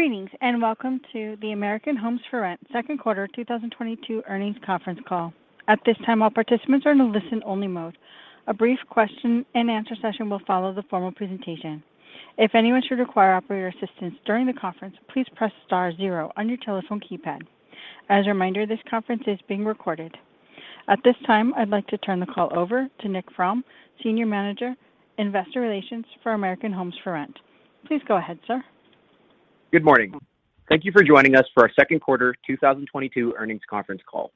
Greetings, and welcome to the American Homes 4 Rent Second Quarter 2022 Earnings Conference Call. At this time, all participants are in a listen-only mode. A brief question-and-answer session will follow the formal presentation. If anyone should require operator assistance during the conference, please press star zero on your telephone keypad. As a reminder, this conference is being recorded. At this time, I'd like to turn the call over to Nick Fromm, Senior Manager, Investor Relations for American Homes 4 Rent. Please go ahead, sir. Good morning. Thank you for joining us for our second quarter 2022 earnings conference call.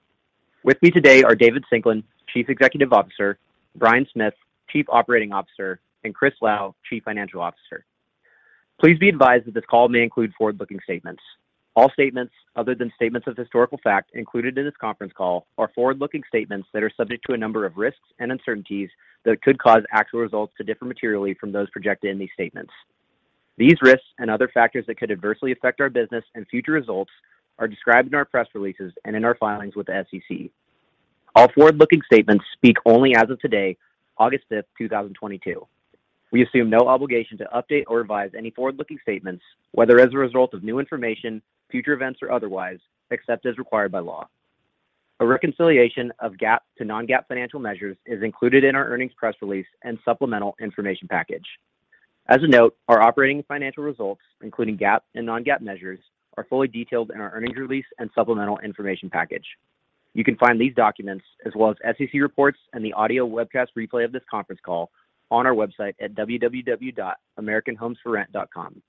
With me today are David Singelyn, Chief Executive Officer, Bryan Smith, Chief Operating Officer, and Chris Lau, Chief Financial Officer. Please be advised that this call may include forward-looking statements. All statements other than statements of historical fact included in this conference call are forward-looking statements that are subject to a number of risks and uncertainties that could cause actual results to differ materially from those projected in these statements. These risks and other factors that could adversely affect our business and future results are described in our press releases and in our filings with the SEC. All forward-looking statements speak only as of today, August 5th, 2022. We assume no obligation to update or revise any forward-looking statements, whether as a result of new information, future events, or otherwise, except as required by law. A reconciliation of GAAP to non-GAAP financial measures is included in our earnings press release and supplemental information package. As a note, our operating and financial results, including GAAP and non-GAAP measures, are fully detailed in our earnings release and supplemental information package. You can find these documents as well as SEC reports and the audio webcast replay of this conference call on our website at www.americanhomes4rent.com.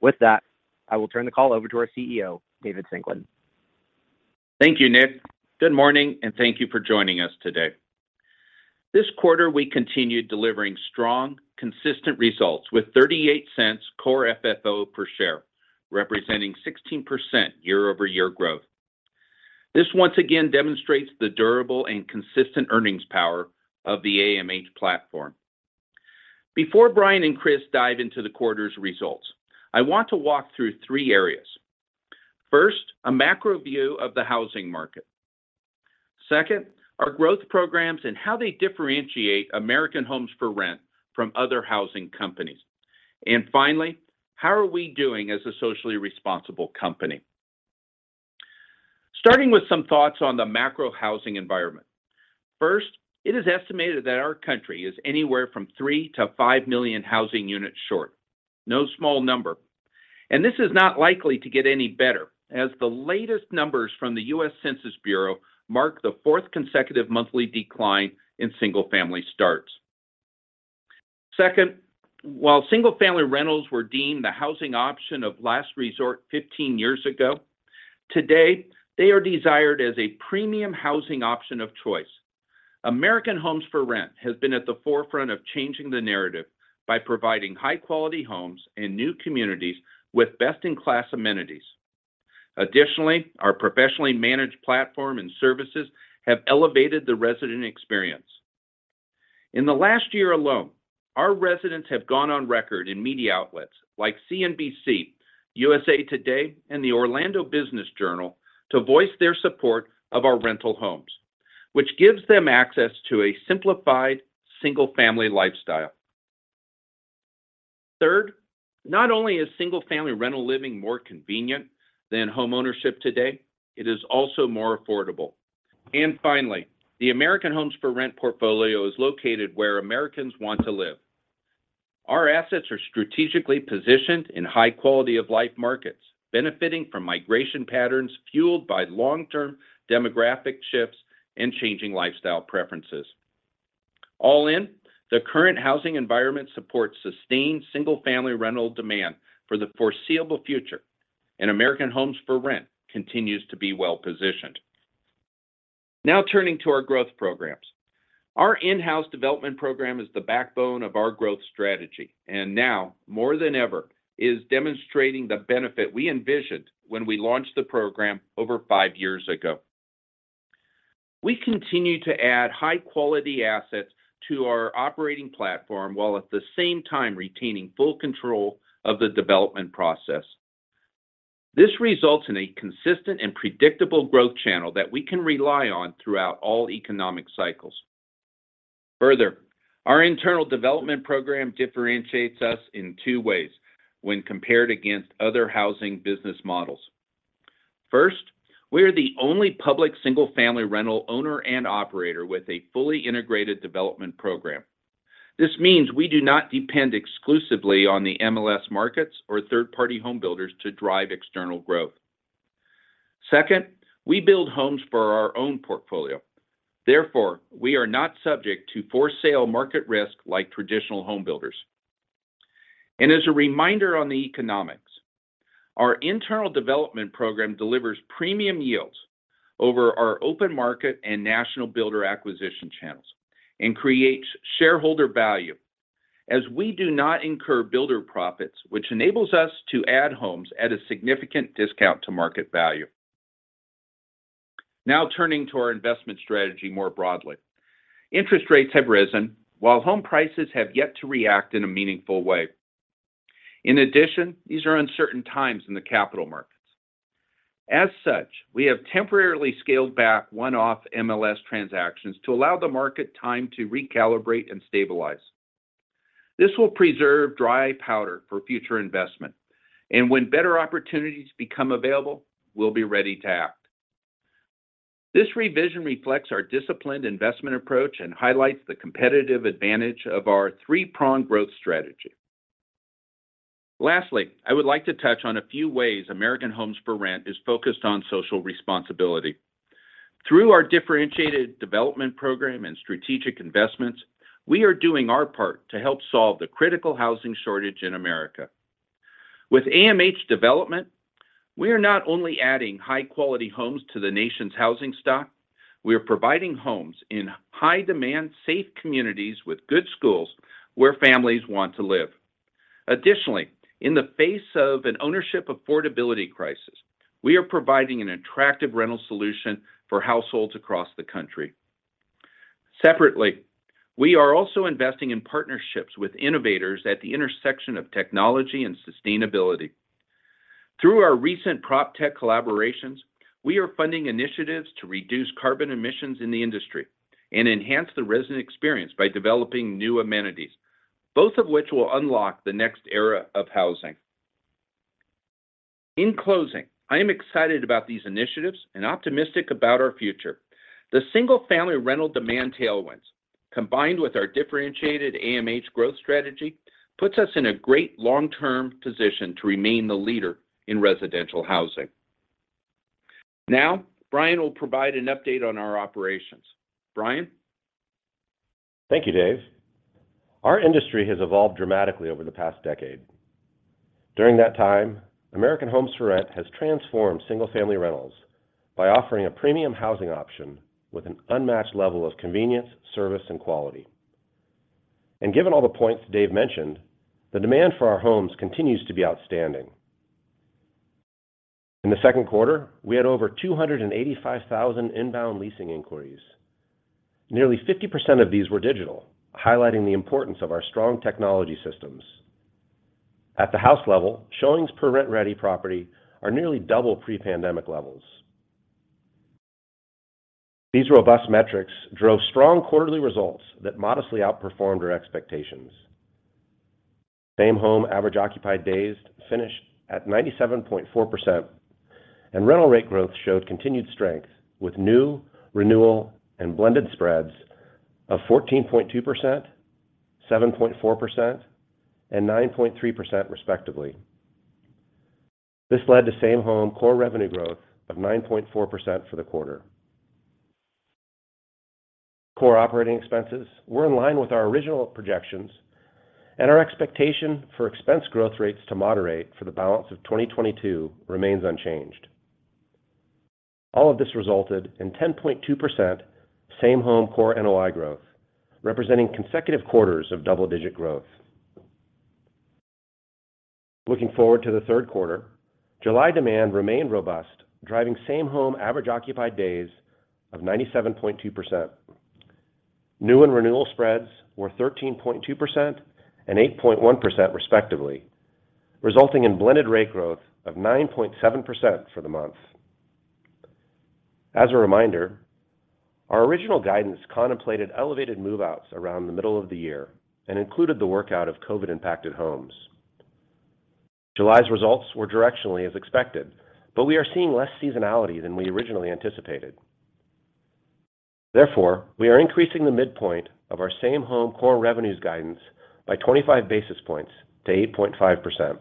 With that, I will turn the call over to our CEO, David Singelyn. Thank you, Nick. Good morning, and thank you for joining us today. This quarter, we continued delivering strong, consistent results with Core FFO per share, representing 16% year-over-year growth. This once again demonstrates the durable and consistent earnings power of the AMH platform. Before Bryan and Chris dive into the quarter's results, I want to walk through three areas. First, a macro view of the housing market. Second, our growth programs and how they differentiate American Homes 4 Rent from other housing companies. Finally, how are we doing as a socially responsible company? Starting with some thoughts on the macro housing environment. First, it is estimated that our country is anywhere from 3 million-5 million housing units short. No small number. This is not likely to get any better as the latest numbers from the U.S. Census Bureau mark the fourth consecutive monthly decline in single-family starts. Second, while single-family rentals were deemed the housing option of last resort 15 years ago, today they are desired as a premium housing option of choice. American Homes 4 Rent has been at the forefront of changing the narrative by providing high-quality homes and new communities with best-in-class amenities. Additionally, our professionally managed platform and services have elevated the resident experience. In the last year alone, our residents have gone on record in media outlets like CNBC, USA Today, and the Orlando Business Journal to voice their support of our rental homes, which gives them access to a simplified single-family lifestyle. Third, not only is single-family rental living more convenient than homeownership today, it is also more affordable. Finally, the American Homes 4 Rent portfolio is located where Americans want to live. Our assets are strategically positioned in high quality of life markets, benefiting from migration patterns fueled by long-term demographic shifts and changing lifestyle preferences. All in, the current housing environment supports sustained single-family rental demand for the foreseeable future, and American Homes 4 Rent continues to be well-positioned. Now turning to our growth programs. Our in-house development program is the backbone of our growth strategy, and now more than ever is demonstrating the benefit we envisioned when we launched the program over five years ago. We continue to add high-quality assets to our operating platform while at the same time retaining full control of the development process. This results in a consistent and predictable growth channel that we can rely on throughout all economic cycles. Further, our internal development program differentiates us in two ways when compared against other housing business models. First, we are the only public single-family rental owner and operator with a fully integrated development program. This means we do not depend exclusively on the MLS markets or third-party home builders to drive external growth. Second, we build homes for our own portfolio. Therefore, we are not subject to for-sale market risk like traditional home builders. As a reminder on the economics, our internal development program delivers premium yields over our open market and national builder acquisition channels and creates shareholder value as we do not incur builder profits, which enables us to add homes at a significant discount to market value. Now turning to our investment strategy more broadly. Interest rates have risen while home prices have yet to react in a meaningful way. In addition, these are uncertain times in the capital market. As such, we have temporarily scaled back one-off MLS transactions to allow the market time to recalibrate and stabilize. This will preserve dry powder for future investment, and when better opportunities become available, we'll be ready to act. This revision reflects our disciplined investment approach and highlights the competitive advantage of our three-pronged growth strategy. Lastly, I would like to touch on a few ways American Homes 4 Rent is focused on social responsibility. Through our differentiated development program and strategic investments, we are doing our part to help solve the critical housing shortage in America. With AMH Development, we are not only adding high-quality homes to the nation's housing stock, we are providing homes in high-demand, safe communities with good schools where families want to live. Additionally, in the face of an ownership affordability crisis, we are providing an attractive rental solution for households across the country. Separately, we are also investing in partnerships with innovators at the intersection of technology and sustainability. Through our recent proptech collaborations, we are funding initiatives to reduce carbon emissions in the industry and enhance the resident experience by developing new amenities, both of which will unlock the next era of housing. In closing, I am excited about these initiatives and optimistic about our future. The single-family rental demand tailwinds, combined with our differentiated AMH growth strategy, puts us in a great long-term position to remain the leader in residential housing. Now, Bryan will provide an update on our operations. Bryan? Thank you, Dave. Our industry has evolved dramatically over the past decade. During that time, American Homes 4 Rent has transformed single-family rentals by offering a premium housing option with an unmatched level of convenience, service, and quality. Given all the points Dave mentioned, the demand for our homes continues to be outstanding. In the second quarter, we had over 285,000 inbound leasing inquiries. Nearly 50% of these were digital, highlighting the importance of our strong technology systems. At the house level, showings per rent-ready property are nearly double pre-pandemic levels. These robust metrics drove strong quarterly results that modestly outperformed our expectations. Same-Home average occupied days finished at 97.4%, and rental rate growth showed continued strength with new, renewal, and blended spreads of 14.2%, 7.4%, and 9.3% respectively. This led to Same-Home Core Revenues growth of 9.4% for the quarter. Core operating expenses were in line with our original projections, and our expectation for expense growth rates to moderate for the balance of 2022 remains unchanged. All of this resulted in 10.2% Same-Home Core NOI growth, representing consecutive quarters of double-digit growth. Looking forward to the third quarter, July demand remained robust, driving Same-Home average occupied days of 97.2%. New and renewal spreads were 13.2% and 8.1% respectively, resulting in blended rate growth of 9.7% for the month. As a reminder, our original guidance contemplated elevated move-outs around the middle of the year and included the workout of COVID-impacted homes. July's results were directionally as expected, but we are seeing less seasonality than we originally anticipated. Therefore, we are increasing the midpoint of our Same-Home Core Revenues guidance by 25 basis points to 8.5%.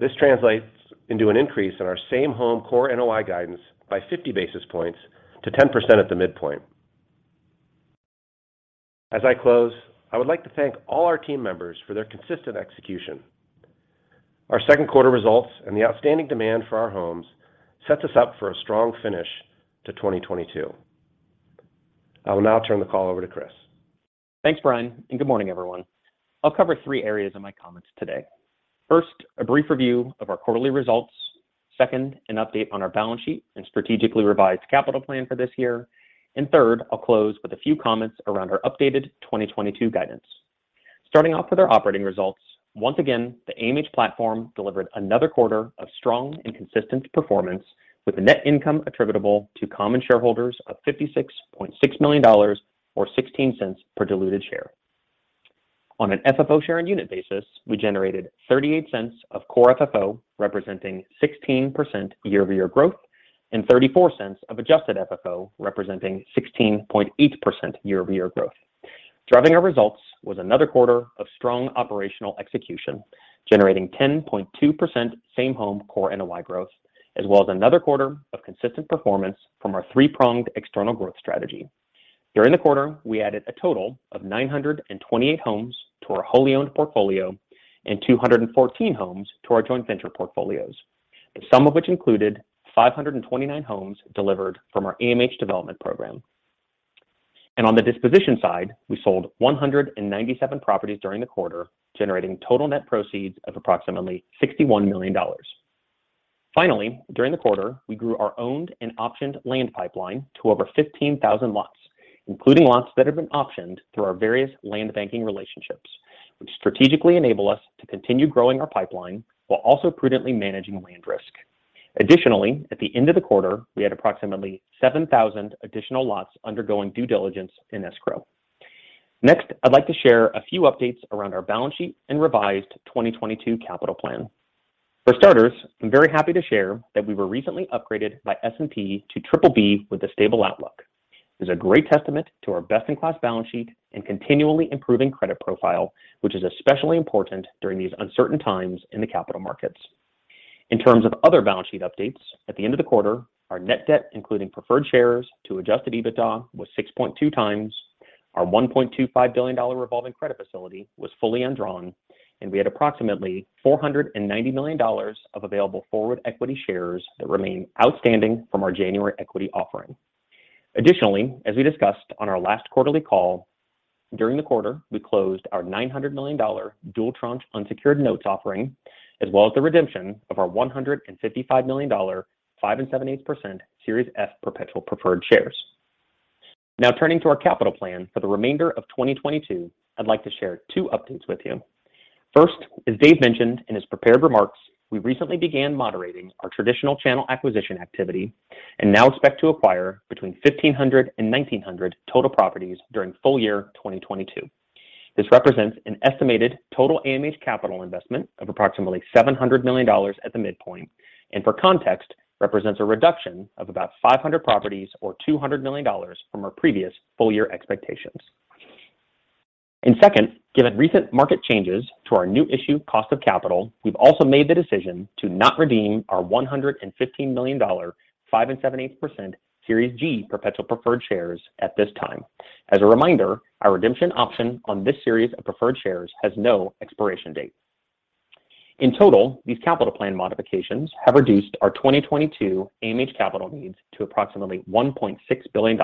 This translates into an increase in our Same-Home Core NOI guidance by 50 basis points to 10% at the midpoint. As I close, I would like to thank all our team members for their consistent execution. Our second quarter results and the outstanding demand for our homes sets us up for a strong finish to 2022. I will now turn the call over to Chris. Thanks, Bryan, and good morning, everyone. I'll cover three areas in my comments today. First, a brief review of our quarterly results. Second, an update on our balance sheet and strategically revised capital plan for this year. Third, I'll close with a few comments around our updated 2022 guidance. Starting off with our operating results, once again, the AMH platform delivered another quarter of strong and consistent performance with a net income attributable to common shareholders of $56.6 million or $0.16 per diluted share. On an FFO share and unit basis, we generated $0.38 Core FFO, representing 16% year-over-year growth, and $0.34 of Adjusted FFO, representing 16.8% year-over-year growth. Driving our results was another quarter of strong operational execution, generating 10.2% Same-Home Core NOI growth, as well as another quarter of consistent performance from our three-pronged external growth strategy. During the quarter, we added a total of 928 homes to our wholly owned portfolio and 214 homes to our joint venture portfolios, some of which included 529 homes delivered from our AMH Development program. On the disposition side, we sold 197 properties during the quarter, generating total net proceeds of approximately $61 million. Finally, during the quarter, we grew our owned and optioned land pipeline to over 15,000 lots, including lots that have been optioned through our various land banking relationships strategically enable us to continue growing our pipeline while also prudently managing land risk. At the end of the quarter, we had approximately 7,000 additional lots undergoing due diligence in escrow. Next, I'd like to share a few updates around our balance sheet and revised 2022 capital plan. For starters, I'm very happy to share that we were recently upgraded by S&P to BBB with a stable outlook. This is a great testament to our best-in-class balance sheet and continually improving credit profile, which is especially important during these uncertain times in the capital markets. In terms of other balance sheet updates, at the end of the quarter, our net debt, including preferred shares to adjusted EBITDA, was 6.2x. Our $1.25 billion revolving credit facility was fully undrawn, and we had approximately $490 million of available forward equity shares that remain outstanding from our January equity offering. Additionally, as we discussed on our last quarterly call, during the quarter, we closed our $900 million dual tranche unsecured notes offering, as well as the redemption of our $155 million 5.875% Series F Perpetual Preferred Shares. Now turning to our capital plan for the remainder of 2022, I'd like to share two updates with you. First, as Dave mentioned in his prepared remarks, we recently began moderating our traditional channel acquisition activity and now expect to acquire between 1,500-1,900 total properties during full year 2022. This represents an estimated total AMH capital investment of approximately $700 million at the midpoint, and for context, represents a reduction of about 500 properties or $200 million from our previous full year expectations. Second, given recent market changes to our new issue cost of capital, we've also made the decision to not redeem our $115 million 5.875% Series G Perpetual Preferred Shares at this time. As a reminder, our redemption option on this series of preferred shares has no expiration date. In total, these capital plan modifications have reduced our 2022 AMH capital needs to approximately $1.6 billion.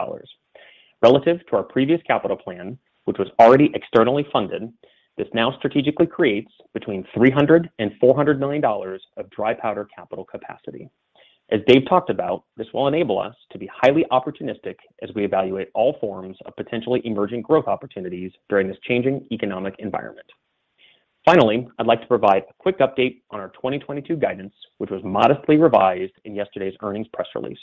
Relative to our previous capital plan, which was already externally funded, this now strategically creates between $300 million and $400 million of dry powder capital capacity. As Dave talked about, this will enable us to be highly opportunistic as we evaluate all forms of potentially emerging growth opportunities during this changing economic environment. Finally, I'd like to provide a quick update on our 2022 guidance, which was modestly revised in yesterday's earnings press release.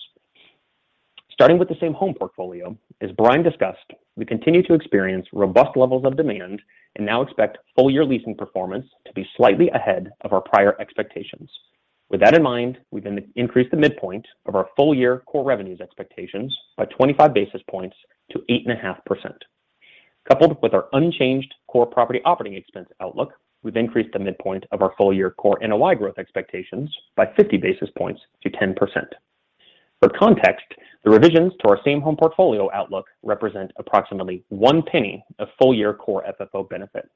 Starting with the Same-Home portfolio, as Brian discussed, we continue to experience robust levels of demand and now expect full year leasing performance to be slightly ahead of our prior expectations. With that in mind, we've increased the midpoint of our full year core revenues expectations by 25 basis points to 8.5%. Coupled with our unchanged core property operating expense outlook, we've increased the midpoint of our full year Core NOI growth expectations by 50 basis points to 10%. For context, the revisions to our Same-Home portfolio outlook represent approximately $0.01 of full Core FFO benefit.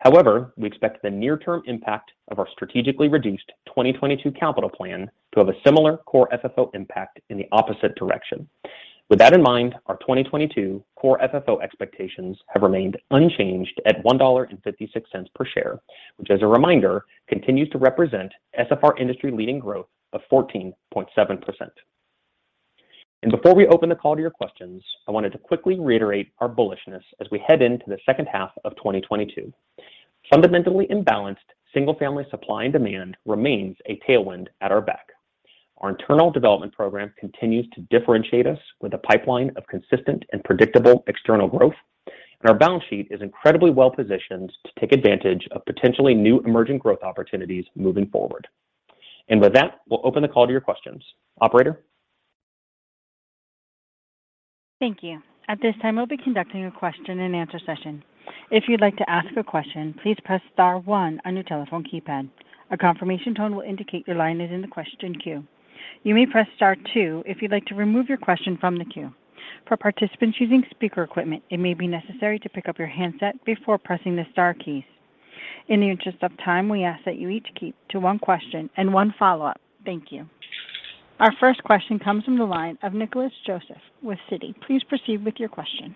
However, we expect the near term impact of our strategically reduced 2022 capital plan to have a Core FFO impact in the opposite direction. With that in mind, our Core FFO expectations have remained unchanged at $1.56 per share, which as a reminder, continues to represent SFR industry-leading growth of 14.7%. Before we open the call to your questions, I wanted to quickly reiterate our bullishness as we head into the second half of 2022. Fundamentally imbalanced single-family supply and demand remains a tailwind at our back. Our internal development program continues to differentiate us with a pipeline of consistent and predictable external growth. Our balance sheet is incredibly well-positioned to take advantage of potentially new emerging growth opportunities moving forward. With that, we'll open the call to your questions. Operator? Thank you. At this time, we'll be conducting a question-and-answer session. If you'd like to ask a question, please press star one on your telephone keypad. A confirmation tone will indicate your line is in the question queue. You may press star two if you'd like to remove your question from the queue. For participants using speaker equipment, it may be necessary to pick up your handset before pressing the star keys. In the interest of time, we ask that you each keep to one question and one follow-up. Thank you. Our first question comes from the line of Nicholas Joseph with Citi. Please proceed with your question.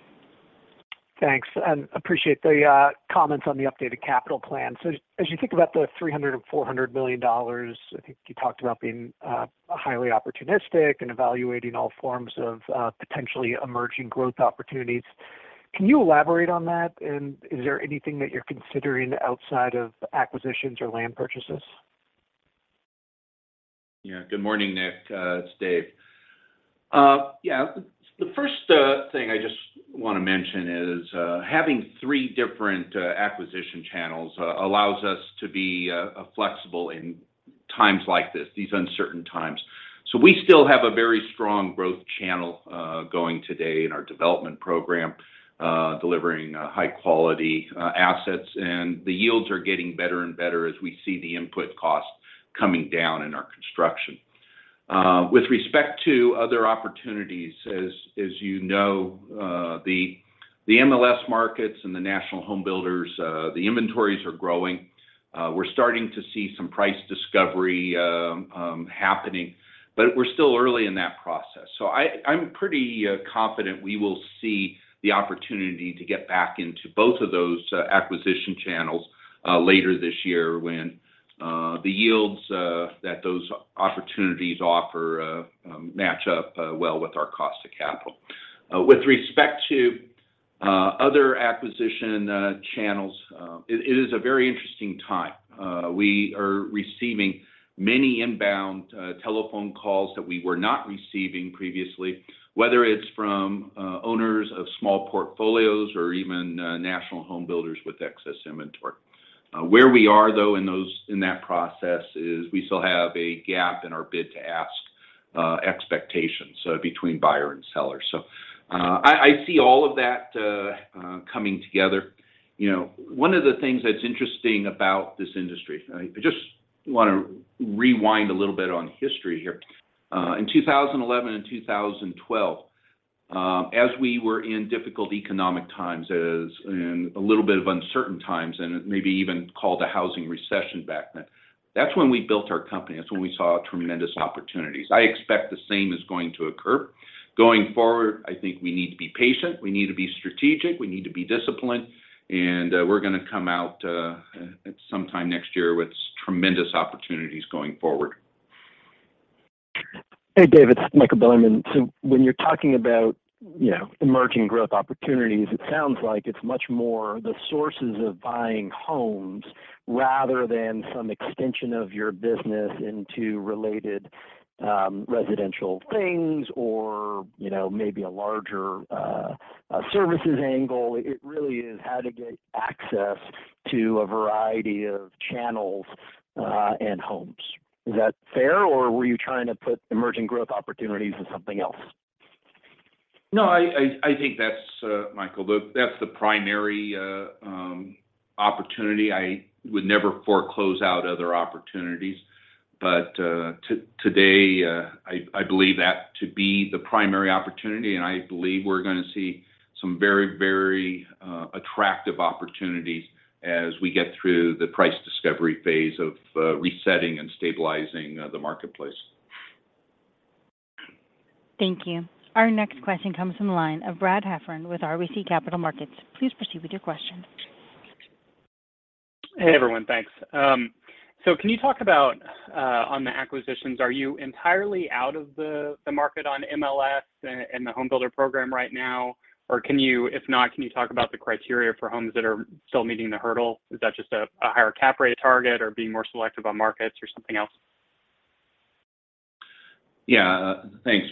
Thanks, appreciate the comments on the updated capital plan. As you think about the $300 million-$400 million, I think you talked about being highly opportunistic and evaluating all forms of potentially emerging growth opportunities. Can you elaborate on that? And is there anything that you're considering outside of acquisitions or land purchases? Yeah. Good morning, Nick. It's Dave. Yeah. The first thing I just wanna mention is having three different acquisition channels allows us to be flexible in times like this, these uncertain times. We still have a very strong growth channel going today in our development program delivering high quality assets. The yields are getting better and better as we see the input costs coming down in our construction. With respect to other opportunities, as you know, the MLS markets and the national home builders the inventories are growing. We're starting to see some price discovery happening, but we're still early in that process. I'm pretty confident we will see the opportunity to get back into both of those acquisition channels. Later this year when the yields that those opportunities offer match up well with our cost of capital. With respect to other acquisition channels, it is a very interesting time. We are receiving many inbound telephone calls that we were not receiving previously. Whether it's from owners of small portfolios or even national home builders with excess inventory. Where we are though in that process is we still have a gap in our bid-to-ask expectations between buyer and seller. I see all of that coming together. You know, one of the things that's interesting about this industry. I just wanna rewind a little bit on history here. In 2011 and 2012, as we were in difficult economic times, as in a little bit of uncertain times and maybe even called a housing recession back then. That's when we built our company. That's when we saw tremendous opportunities. I expect the same is going to occur. Going forward, I think we need to be patient, we need to be strategic, we need to be disciplined, and we're gonna come out at some time next year with tremendous opportunities going forward. Hey, Dave, it's Michael Bilerman. When you're talking about, you know, emerging growth opportunities, it sounds like it's much more the sources of buying homes rather than some extension of your business into related residential things or, you know, maybe a larger services angle. It really is how to get access to a variety of channels and homes. Is that fair, or were you trying to put emerging growth opportunities as something else? No, I think that's Michael, that's the primary opportunity. I would never foreclose out other opportunities, but today, I believe that to be the primary opportunity. I believe we're gonna see some very attractive opportunities as we get through the price discovery phase of resetting and stabilizing the marketplace. Thank you. Our next question comes from the line of Brad Heffern with RBC Capital Markets. Please proceed with your question. Hey, everyone. Thanks. Can you talk about on the acquisitions, are you entirely out of the market on MLS and the home builder program right now? Or if not, can you talk about the criteria for homes that are still meeting the hurdle? Is that just a higher cap rate target or being more selective on markets or something else? Yeah. Thanks.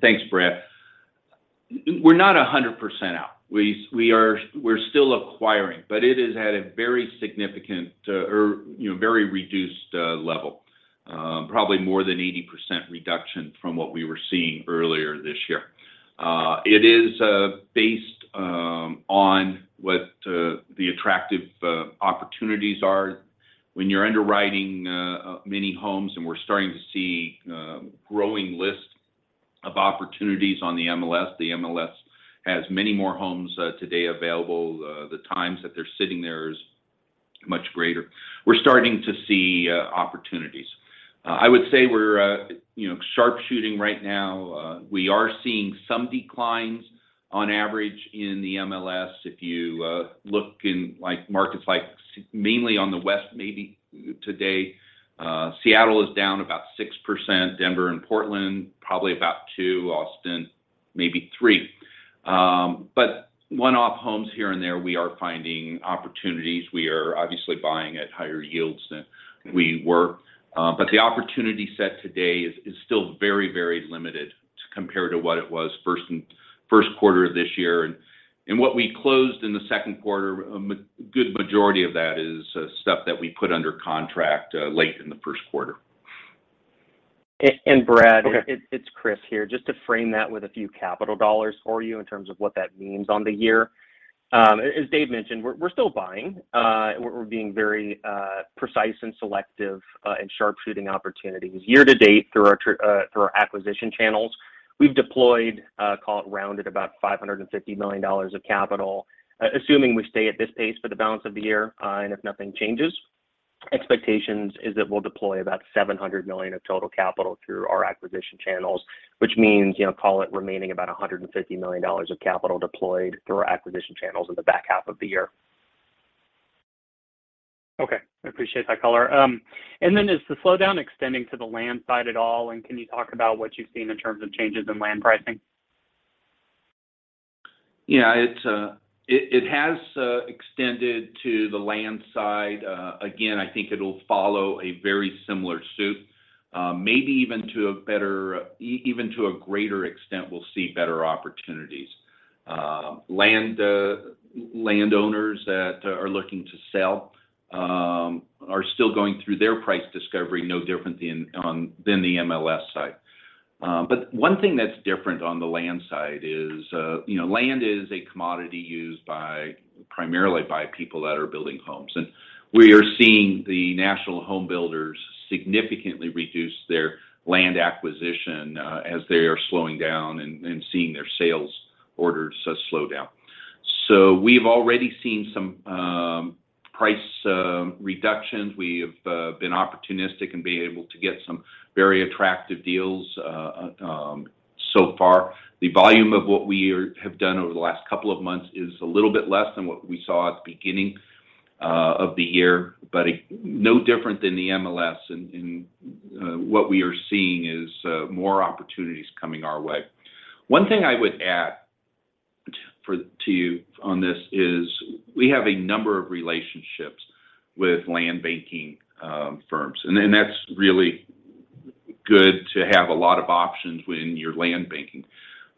Thanks, Brad. We're not 100% out. We're still acquiring, but it is at a very significant, or, you know, very reduced, level. Probably more than 80% reduction from what we were seeing earlier this year. It is based on what the attractive opportunities are when you're underwriting many homes, and we're starting to see growing lists of opportunities on the MLS. The MLS has many more homes today available. The times that they're sitting there is much greater. We're starting to see opportunities. I would say we're, you know, sharp shooting right now. We are seeing some declines on average in the MLS. If you look in like markets like mainly on the West, maybe today, Seattle is down about 6%, Denver and Portland probably about 2%, Austin maybe 3%. One-off homes here and there, we are finding opportunities. We are obviously buying at higher yields than we were. The opportunity set today is still very, very limited compared to what it was first in first quarter of this year. What we closed in the second quarter, a good majority of that is stuff that we put under contract late in the first quarter. Brad. Okay. It's Chris here. Just to frame that with a few capital dollars for you in terms of what that means on the year. As Dave mentioned, we're still buying. We're being very precise and selective in sharp shooting opportunities. Year to date through our acquisition channels, we've deployed call it rounded about $550 million of capital. Assuming we stay at this pace for the balance of the year, and if nothing changes, expectations is that we'll deploy about $700 million of total capital through our acquisition channels, which means, you know, call it remaining about $150 million of capital deployed through our acquisition channels in the back half of the year. Okay. I appreciate that color. Is the slowdown extending to the land side at all, and can you talk about what you've seen in terms of changes in land pricing? Yeah. It has extended to the land side. Again, I think it'll follow a very similar suit, maybe even to a greater extent. We'll see better opportunities. Landowners that are looking to sell are still going through their price discovery, no different than the MLS side. But one thing that's different on the land side is, you know, land is a commodity used primarily by people that are building homes. We are seeing the national home builders significantly reduce their land acquisition, as they are slowing down and seeing their sales orders slow down. We've already seen some price reductions. We have been opportunistic and been able to get some very attractive deals. So far, the volume of what we have done over the last couple of months is a little bit less than what we saw at the beginning of the year, but no different than the MLS in what we are seeing is more opportunities coming our way. One thing I would add to you on this is we have a number of relationships with land banking firms. That's really good to have a lot of options when you're land banking.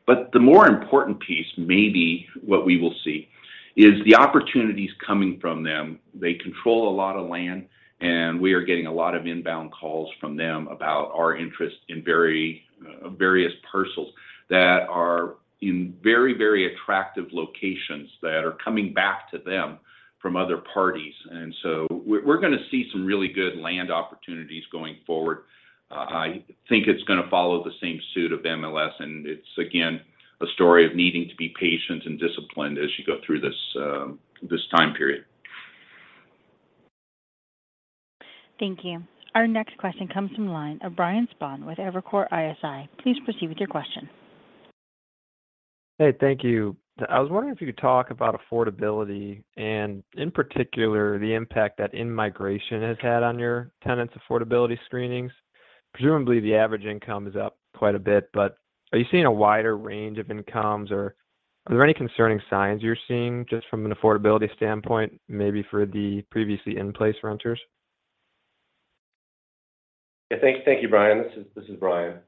The more important piece may be what we will see is the opportunities coming from them. They control a lot of land, and we are getting a lot of inbound calls from them about our interest in very various parcels that are in very, very attractive locations that are coming back to them from other parties. We're gonna see some really good land opportunities going forward. I think it's gonna follow the same suit of MLS, and it's again, a story of needing to be patient and disciplined as you go through this time period. Thank you. Our next question comes from line of Brian Spahn with Evercore ISI. Please proceed with your question. Hey, thank you. I was wondering if you could talk about affordability and in particular, the impact that in-migration has had on your tenants' affordability screenings? Presumably, the average income is up quite a bit, but are you seeing a wider range of incomes, or are there any concerning signs you're seeing just from an affordability standpoint, maybe for the previously in-place renters? Yeah. Thank you, Brian. This is Bryan.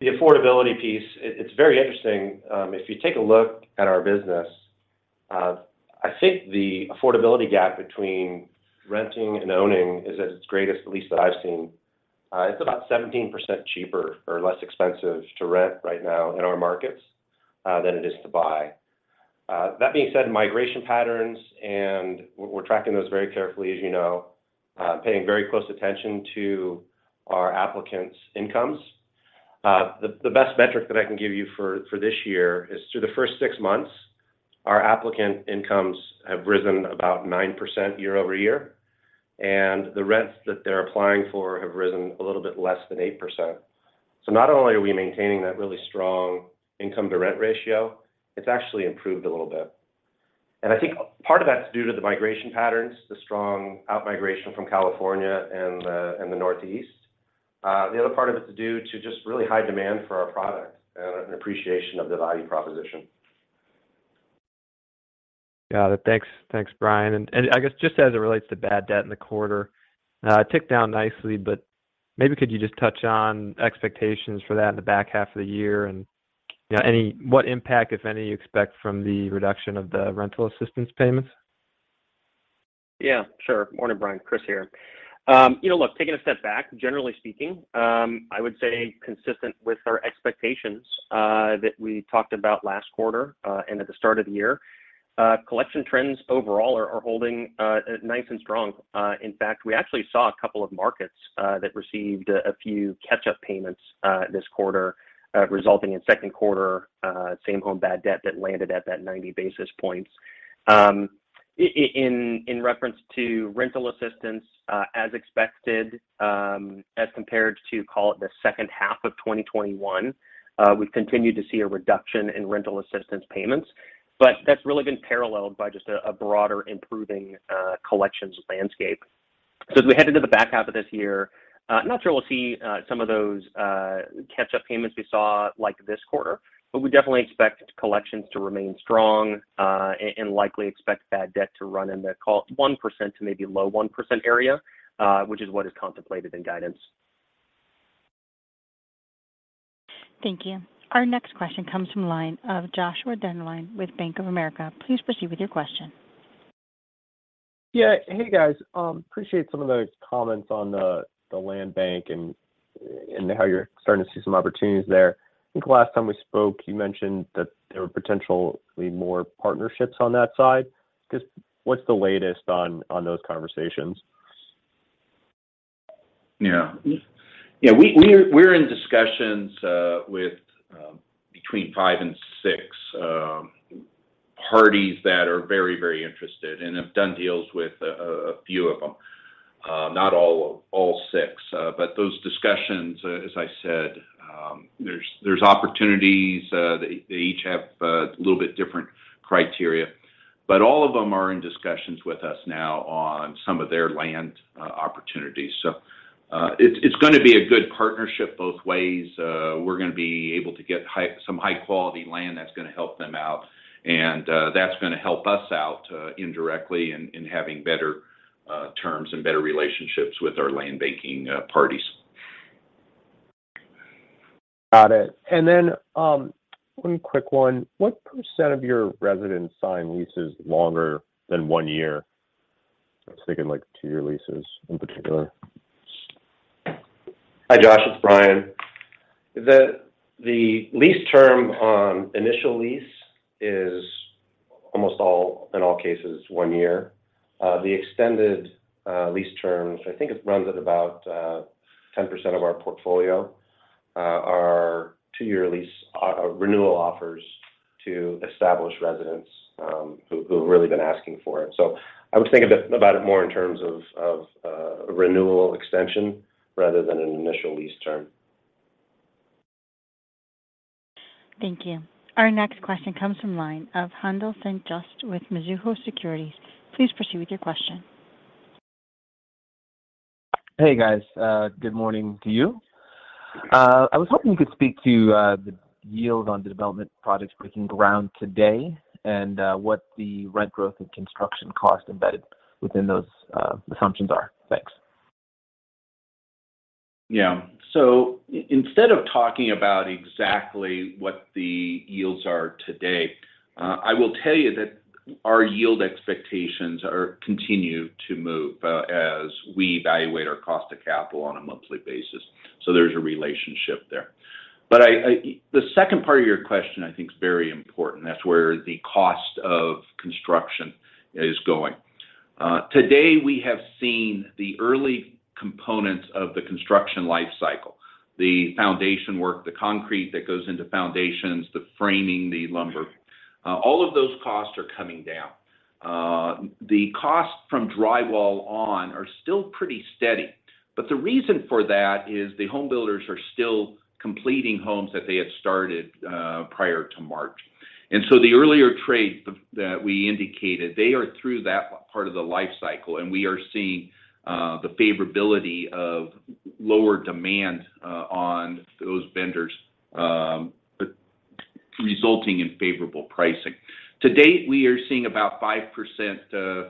The affordability piece, it's very interesting. If you take a look at our business, I think the affordability gap between renting and owning is at its greatest, at least that I've seen. It's about 17% cheaper or less expensive to rent right now in our markets than it is to buy. That being said, migration patterns and we're tracking those very carefully, as you know, paying very close attention to our applicants' incomes. The best metric that I can give you for this year is through the first six months, our applicant incomes have risen about 9% year-over-year, and the rents that they're applying for have risen a little bit less than 8%. Not only are we maintaining that really strong income-to-rent ratio, it's actually improved a little bit. I think part of that's due to the migration patterns, the strong outmigration from California and the Northeast. The other part of it is due to just really high demand for our product and an appreciation of the value proposition. Got it. Thanks. Thanks, Bryan. I guess just as it relates to bad debt in the quarter, it ticked down nicely, but maybe could you just touch on expectations for that in the back half of the year and, you know, what impact, if any, you expect from the reduction of the rental assistance payments? Yeah, sure. Morning, Brian. Chris here. You know, look, taking a step back, generally speaking, I would say consistent with our expectations that we talked about last quarter and at the start of the year, collection trends overall are holding nice and strong. In fact, we actually saw a couple of markets that received a few catch-up payments this quarter, resulting in second quarter Same-Home bad debt that landed at that 90 basis points. In reference to rental assistance, as expected, as compared to, call it the second half of 2021, we've continued to see a reduction in rental assistance payments. That's really been paralleled by just a broader improving collections landscape. As we head into the back half of this year, not sure we'll see some of those catch-up payments we saw like this quarter, but we definitely expect collections to remain strong, and likely expect bad debt to run in the call it 1% to maybe low 1% area, which is what is contemplated in guidance. Thank you. Our next question comes from the line of Joshua Dennerlein with Bank of America. Please proceed with your question. Yeah. Hey, guys. Appreciate some of those comments on the land bank and how you're starting to see some opportunities there? I think last time we spoke, you mentioned that there were potentially more partnerships on that side. Just what's the latest on those conversations? Yeah. Yeah, we're in discussions with between five and six parties that are very, very interested and have done deals with a few of them, not all six. Those discussions, as I said, there's opportunities. They each have a little bit different criteria. All of them are in discussions with us now on some of their land opportunities. It's gonna be a good partnership both ways. We're gonna be able to get some high-quality land that's gonna help them out, and that's gonna help us out indirectly in having better terms and better relationships with our land banking parties. Got it. One quick one. What percent of your residents sign leases longer than one year? I was thinking like two-year leases in particular. Hi, Josh. It's Bryan. The lease term on initial lease is almost all, in all cases, one year. The extended lease terms, I think it runs at about 10% of our portfolio, are two-year lease renewal offers to established residents who have really been asking for it. I would think about it more in terms of renewal extension rather than an initial lease term. Thank you. Our next question comes from the line of Haendel St. Juste with Mizuho Securities. Please proceed with your question. Hey, guys. Good morning to you. I was hoping you could speak to the yield on the development projects breaking ground today and what the rent growth and construction cost embedded within those assumptions are? Thanks. Yeah. Instead of talking about exactly what the yields are today, I will tell you that our yield expectations are continuing to move, as we evaluate our cost of capital on a monthly basis. There's a relationship there. The second part of your question, I think, is very important. That's where the cost of construction is going. Today, we have seen the early components of the construction life cycle. The foundation work, the concrete that goes into foundations, the framing, the lumber, all of those costs are coming down. The costs from drywall on are still pretty steady, but the reason for that is the home builders are still completing homes that they had started, prior to March. The earlier trades that we indicated, they are through that part of the life cycle, and we are seeing the favorability of lower demand on those vendors resulting in favorable pricing. To date, we are seeing about 5%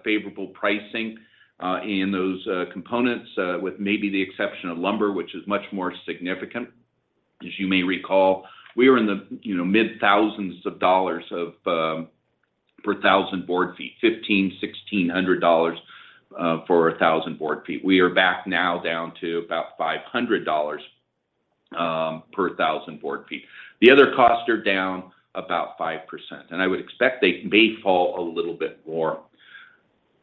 favorable pricing in those components with maybe the exception of lumber, which is much more significant. As you may recall, we were in the, you know, mid-thousands of dollars per thousand board feet. $1,500-$1,600 for a thousand board feet. We are back now down to about $500 per thousand board feet. The other costs are down about 5%, and I would expect they may fall a little bit more.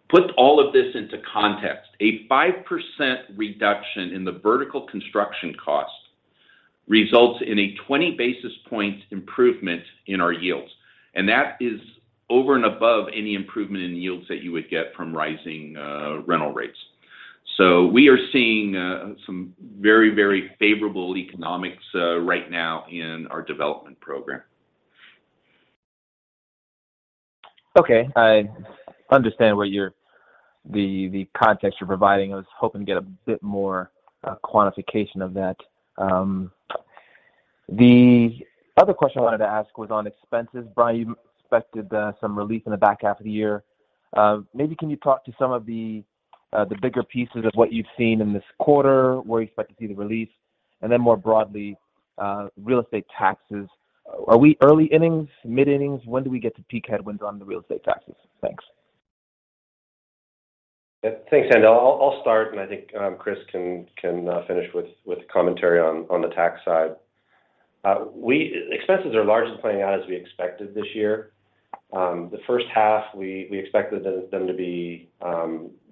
Put all of this into context. A 5% reduction in the vertical construction cost results in a 20 basis point improvement in our yields, and that is over and above any improvement in yields that you would get from rising rental rates. We are seeing some very, very favorable economics right now in our development program. Okay. I understand the context you're providing. I was hoping to get a bit more quantification of that. The other question I wanted to ask was on expenses. Bryan, you expected some relief in the back half of the year. Maybe can you talk to some of the bigger pieces of what you've seen in this quarter, where you expect to see the relief? More broadly, real estate taxes, are we early innings, mid-innings? When do we get to peak headwinds on the real estate taxes? Thanks. Yeah. Thanks, Haendel. I'll start, and I think Chris can finish with commentary on the tax side. Expenses are largely playing out as we expected this year. The first half, we expected them to be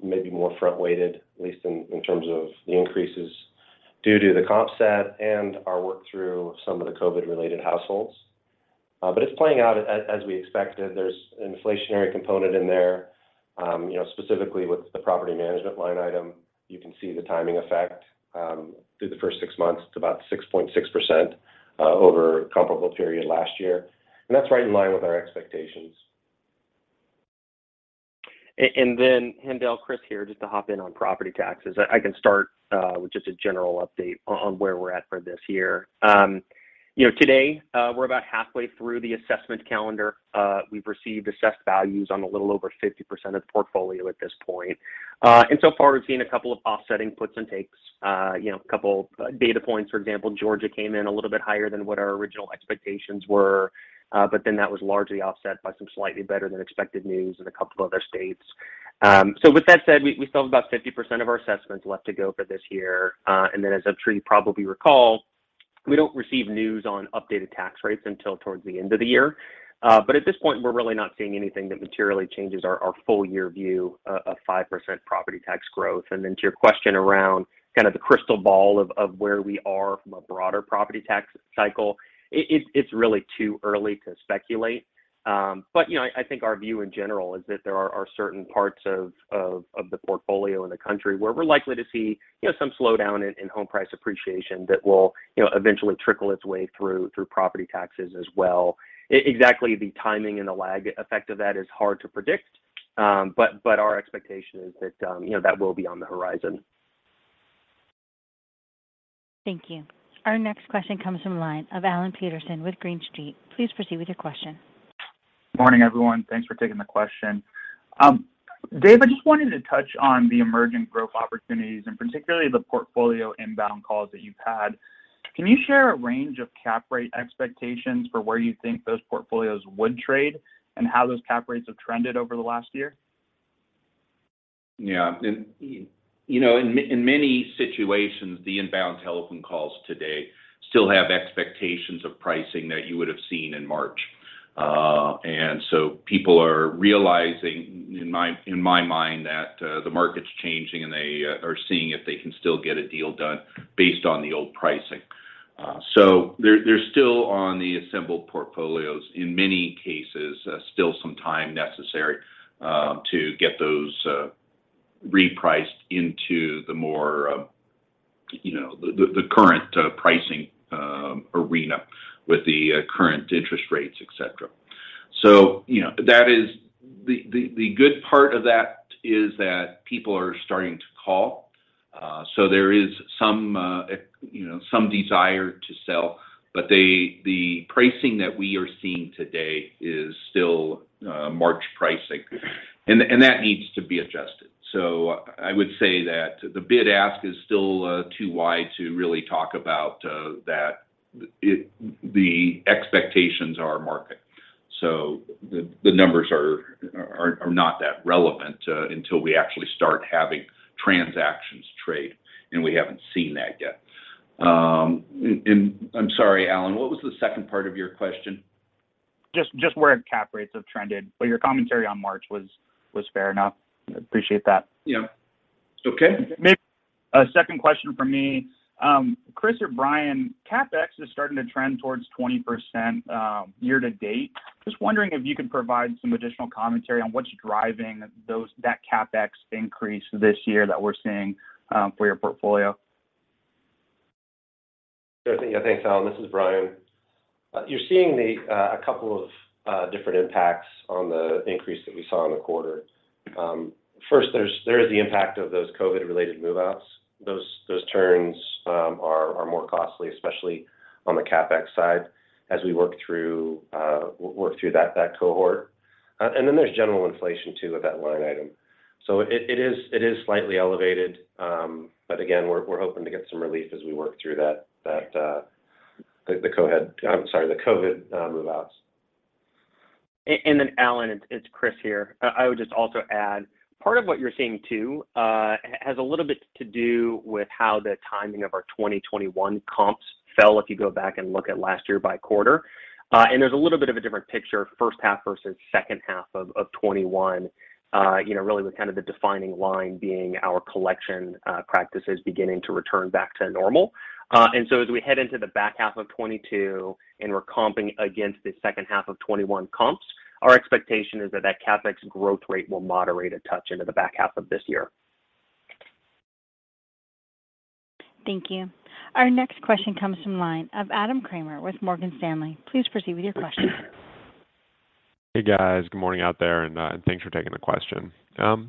maybe more front-weighted, at least in terms of the increases due to the comp set and our work through some of the COVID-related households. But it's playing out as we expected. There's an inflationary component in there. You know, specifically with the property management line item, you can see the timing effect through the first six months to about 6.6% over comparable period last year. That's right in line with our expectations. Haendel, Chris here just to hop in on property taxes. I can start with just a general update on where we're at for this year. You know, today, we're about halfway through the assessment calendar. We've received assessed values on a little over 50% of the portfolio at this point. So far, we've seen a couple of offsetting puts and takes. You know, a couple data points. For example, Georgia came in a little bit higher than what our original expectations were, but that was largely offset by some slightly better than expected news in a couple of other states. With that said, we still have about 50% of our assessments left to go for this year. As I'm sure you probably recall, we don't receive news on updated tax rates until towards the end of the year. At this point, we're really not seeing anything that materially changes our full year view of 5% property tax growth. To your question around kind of the crystal ball of where we are from a broader property tax cycle, it's really too early to speculate. You know, I think our view in general is that there are certain parts of the portfolio in the country where we're likely to see some slowdown in home price appreciation that will eventually trickle its way through property taxes as well. Exactly the timing and the lag effect of that is hard to predict, but our expectation is that, you know, that will be on the horizon. Thank you. Our next question comes from line of Alan Peterson with Green Street. Please proceed with your question. Morning, everyone. Thanks for taking the question. Dave, I just wanted to touch on the emerging growth opportunities and particularly the portfolio inbound calls that you've had. Can you share a range of cap rate expectations for where you think those portfolios would trade and how those cap rates have trended over the last year? Yeah. You know, in many situations, the inbound telephone calls today still have expectations of pricing that you would have seen in March. People are realizing in my mind that the market's changing, and they are seeing if they can still get a deal done based on the old pricing. They're still on the assembled portfolios. In many cases, still some time necessary to get those repriced into the more, you know, the current pricing arena with the current interest rates, et cetera. You know, that is the good part of that is that people are starting to call. There is some, you know, some desire to sell. But the pricing that we are seeing today is still March pricing. And that needs to be adjusted. I would say that the bid ask is still too wide to really talk about. The expectations are market. The numbers are not that relevant until we actually start having transactions trade, and we haven't seen that yet. And I'm sorry, Alan, what was the second part of your question? Just where cap rates have trended? Your commentary on March was fair enough. I appreciate that. Yeah. Okay. Second question from me. Chris or Bryan, CapEx is starting to trend towards 20%, year to date. Just wondering if you could provide some additional commentary on what's driving that CapEx increase this year that we're seeing, for your portfolio? Yeah, thanks, Alan. This is Bryan. You're seeing a couple of different impacts on the increase that we saw in the quarter. First, there is the impact of those COVID-related move-outs. Those turns are more costly, especially on the CapEx side as we work through that cohort. Then there's general inflation too of that line item. It is slightly elevated. But again, we're hoping to get some relief as we work through that, the COVID move-outs. Alan, it's Chris here. I would just also add, part of what you're seeing too has a little bit to do with how the timing of our 2021 comps fell, if you go back and look at last year by quarter. There's a little bit of a different picture first half versus second half of 2021, you know, really with kind of the defining line being our collection practices beginning to return back to normal. As we head into the back half of 2022, and we're comping against the second half of 2021 comps, our expectation is that that CapEx growth rate will moderate a touch into the back half of this year. Thank you. Our next question comes from line of Adam Kramer with Morgan Stanley. Please proceed with your question. Hey, guys. Good morning out there, and thanks for taking the question.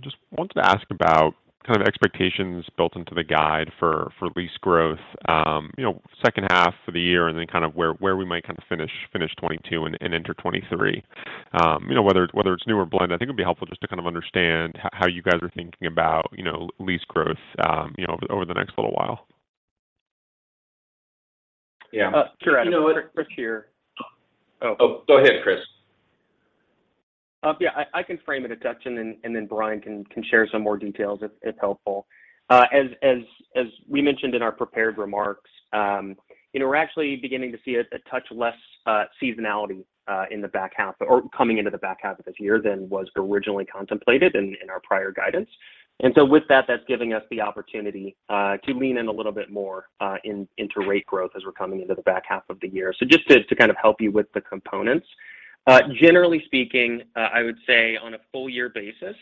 Just wanted to ask about kind of expectations built into the guide for lease growth, you know, second half of the year and then kind of where we might kind of finish 2022 and enter 2023. You know, whether it's new or blend, I think it'll be helpful just to kind of understand how you guys are thinking about, you know, lease growth, you know, over the next little while? Yeah. Sure, Adam. You know what. Chris here. Oh, go ahead, Chris. Yeah, I can frame it a touch, and then Bryan can share some more details if helpful. As we mentioned in our prepared remarks, you know, we're actually beginning to see a touch less seasonality in the back half or coming into the back half of this year than was originally contemplated in our prior guidance. With that's giving us the opportunity to lean in a little bit more into rent growth as we're coming into the back half of the year. Just to kind of help you with the components, generally speaking, I would say on a full year basis,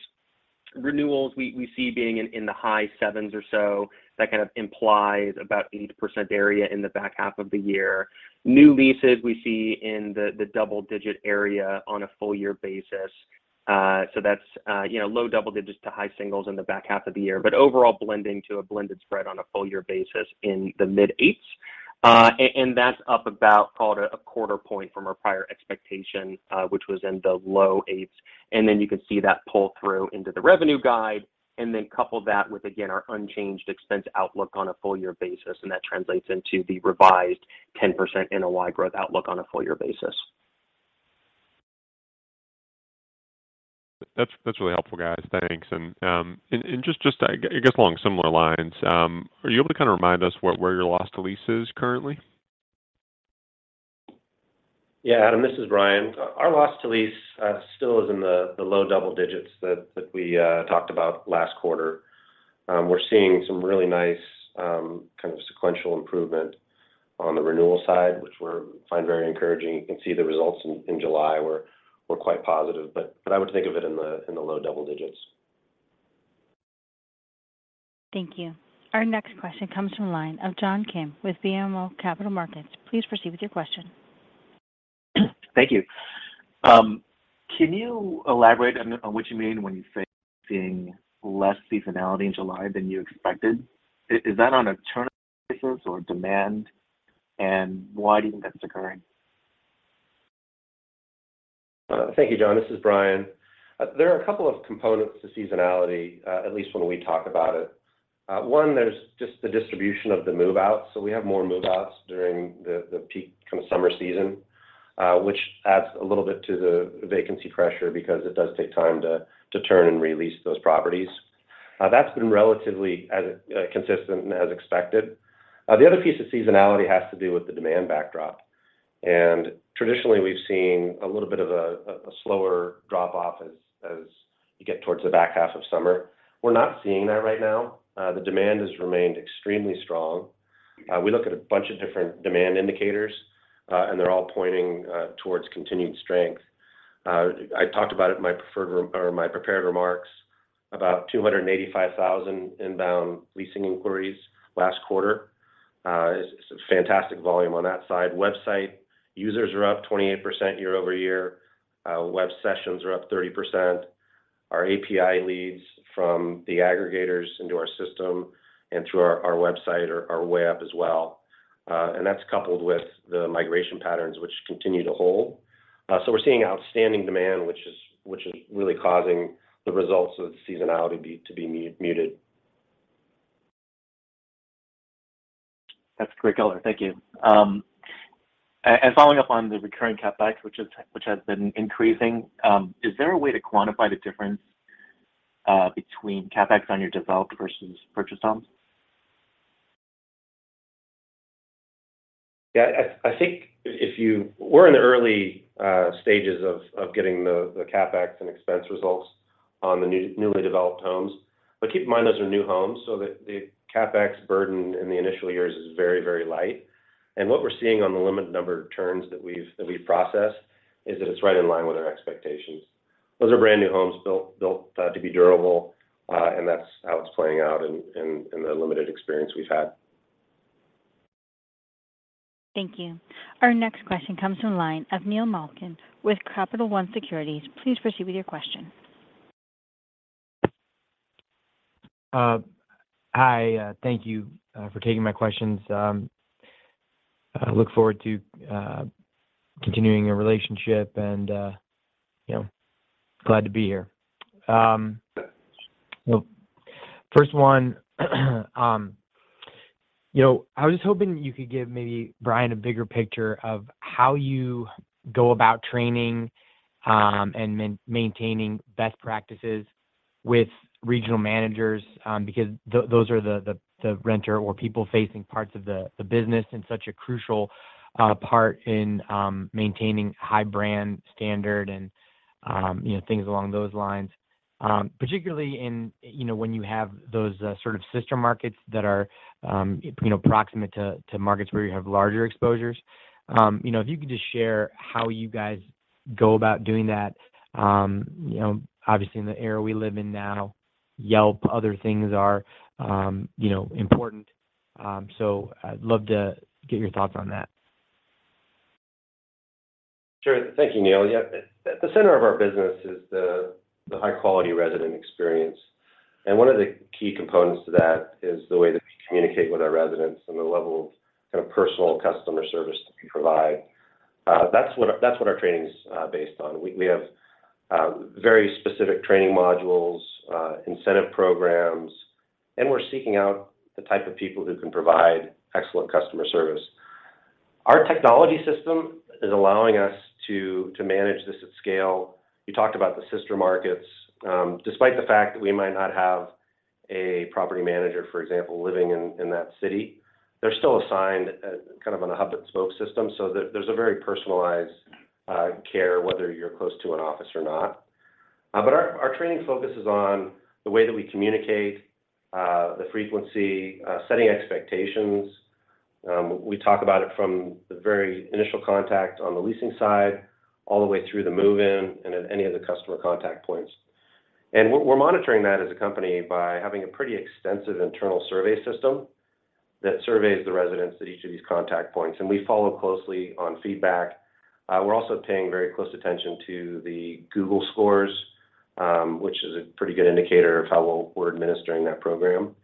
renewals, we see being in the high sevens or so. That kind of implies about 8% area in the back half of the year. New leases we see in the double-digit area on a full year basis. So that's, you know, low double digits to high singles in the back half of the year. But overall blending to a blended spread on a full year basis in the mid-eights. And that's up about call it a quarter point from our prior expectation, which was in the low-eights. You can see that pull through into the revenue guide, and then couple that with, again, our unchanged expense outlook on a full year basis, and that translates into the revised 10% NOI growth outlook on a full year basis. That's really helpful, guys. Thanks. Just I guess along similar lines, are you able to kind of remind us what, where your Loss to Lease is currently? Yeah, Adam, this is Bryan. Our Loss to Lease still is in the low double digits that we talked about last quarter. We're seeing some really nice kind of sequential improvement on the renewal side, which we find very encouraging. You can see the results in July were quite positive. I would think of it in the low double digits. Thank you. Our next question comes from the line of John Kim with BMO Capital Markets. Please proceed with your question. Thank you. Can you elaborate on what you mean when you say seeing less seasonality in July than you expected? Is that on a turnover basis or demand, and why do you think that's occurring? Thank you, John. This is Bryan. There are a couple of components to seasonality, at least when we talk about it. One, there's just the distribution of the move-outs. We have more move-outs during the peak kind of summer season, which adds a little bit to the vacancy pressure because it does take time to turn and re-lease those properties. That's been relatively as consistent and as expected. The other piece of seasonality has to do with the demand backdrop. Traditionally, we've seen a little bit of a slower drop off as you get towards the back half of summer. We're not seeing that right now. The demand has remained extremely strong. We look at a bunch of different demand indicators, and they're all pointing towards continued strength. I talked about it in my prepared remarks, about 285,000 inbound leasing inquiries last quarter. It's a fantastic volume on that side. Website users are up 28% year-over-year. Web sessions are up 30%. Our API leads from the aggregators into our system and through our website are way up as well. That's coupled with the migration patterns which continue to hold. We're seeing outstanding demand, which is really causing the results of the seasonality to be muted. That's a great color. Thank you. Following up on the recurring CapEx, which has been increasing, is there a way to quantify the difference between CapEx on your developed versus purchased homes? Yeah. I think we're in the early stages of getting the CapEx and expense results on the newly developed homes. Keep in mind, those are new homes, so the CapEx burden in the initial years is very light. What we're seeing on the limited number of turns that we've processed is that it's right in line with our expectations. Those are brand-new homes built to be durable, and that's how it's playing out in the limited experience we've had. Thank you. Our next question comes from line of Neil Malkin with Capital One Securities. Please proceed with your question. Hi. Thank you for taking my questions. I look forward to continuing our relationship and, you know, glad to be here. First one, you know, I was hoping you could give maybe, Bryan, a bigger picture of how you go about training and maintaining best practices with regional managers, because those are the rent- or people-facing parts of the business and such a crucial part in maintaining high brand standard and, you know, things along those lines. Particularly in, you know, when you have those sort of sister markets that are, you know, proximate to markets where you have larger exposures. You know, if you could just share how you guys go about doing that? You know, obviously in the era we live in now, Yelp, other things are, you know, important. I'd love to get your thoughts on that? Sure. Thank you, Neil. Yeah. At the center of our business is the high-quality resident experience. One of the key components to that is the way that we communicate with our residents and the level of kind of personal customer service that we provide. That's what our training is based on. We have very specific training modules, incentive programs, and we're seeking out the type of people who can provide excellent customer service. Our technology system is allowing us to manage this at scale. You talked about the sister markets. Despite the fact that we might not have a property manager, for example, living in that city, they're still assigned kind of on a hub-and-spoke system, so there's a very personalized care whether you're close to an office or not. Our training focuses on the way that we communicate, the frequency, setting expectations. We talk about it from the very initial contact on the leasing side all the way through the move-in and at any of the customer contact points. We're monitoring that as a company by having a pretty extensive internal survey system that surveys the residents at each of these contact points, and we follow closely on feedback. We're also paying very close attention to the Google scores, which is a pretty good indicator of how well we're administering that program.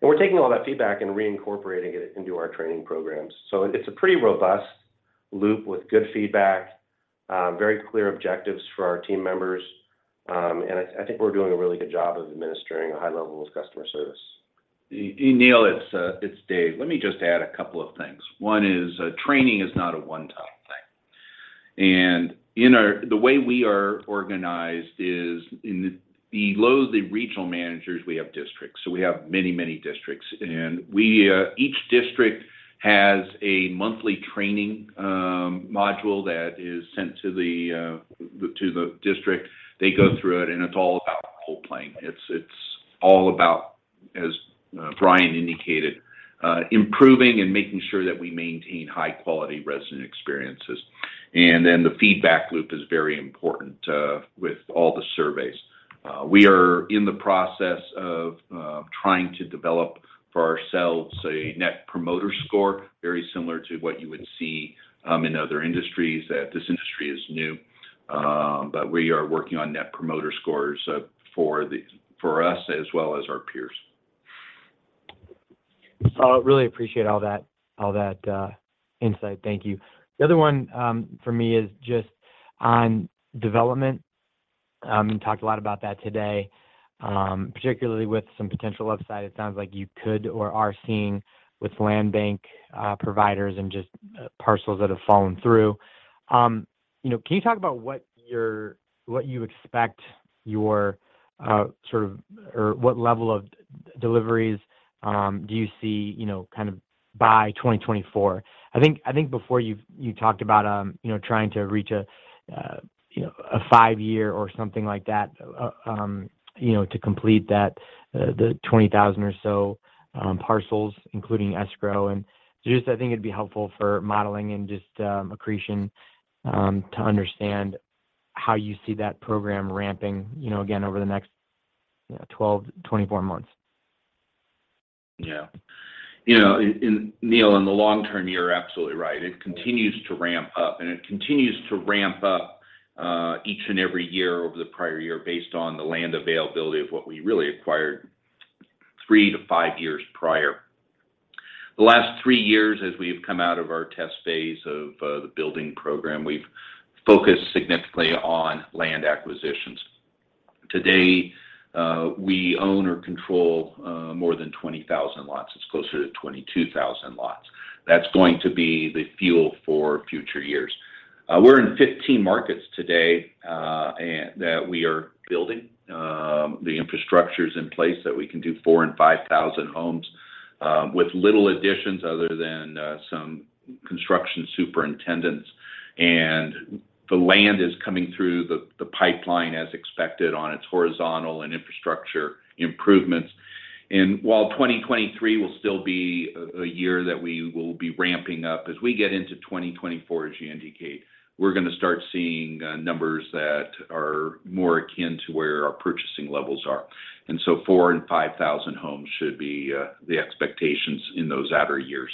We're taking all that feedback and reincorporating it into our training programs. It's a pretty robust loop with good feedback, very clear objectives for our team members, and I think we're doing a really good job of administering a high level of customer service. Hey, Neil, it's Dave. Let me just add a couple of things. One is, training is not a one-time thing. The way we are organized is below the regional managers, we have districts. We have many, many districts. Each district has a monthly training module that is sent to the district. They go through it, and it's all about role-playing. It's all about, as Bryan indicated, improving and making sure that we maintain high-quality resident experiences. The feedback loop is very important with all the surveys. We are in the process of trying to develop for ourselves a Net Promoter Score, very similar to what you would see in other industries that this industry is new. We are working on Net Promoter scores for us as well as our peers. I really appreciate all that insight. Thank you. The other one for me is just on development. You talked a lot about that today, particularly with some potential upside. It sounds like you could or are seeing with land bank providers and just parcels that have fallen through. You know, can you talk about what you expect your sort of or what level of deliveries do you see, you know, kind of by 2024? I think before you talked about, you know, trying to reach a, you know, a five-year or something like that, you know, to complete that, the 20,000 or so parcels including escrow. I think it'd be helpful for modeling and just accretion to understand how you see that program ramping, you know, again, over the next, you know, 12-24 months? Yeah. You know, Neil, in the long term, you're absolutely right. It continues to ramp up each and every year over the prior year based on the land availability of what we really acquired three to five years prior. The last three years, as we've come out of our test phase of the building program, we've focused significantly on land acquisitions. Today, we own or control more than 20,000 lots. It's closer to 22,000 lots. That's going to be the fuel for future years. We're in 15 markets today that we are building. The infrastructure's in place that we can do 4,000 and 5,000 homes with little additions other than some construction superintendents. The land is coming through the pipeline as expected on its horizontal and infrastructure improvements. While 2023 will still be a year that we will be ramping up, as we get into 2024, as you indicate, we're gonna start seeing numbers that are more akin to where our purchasing levels are. 4,000 and 5,000 homes should be the expectations in those outer years.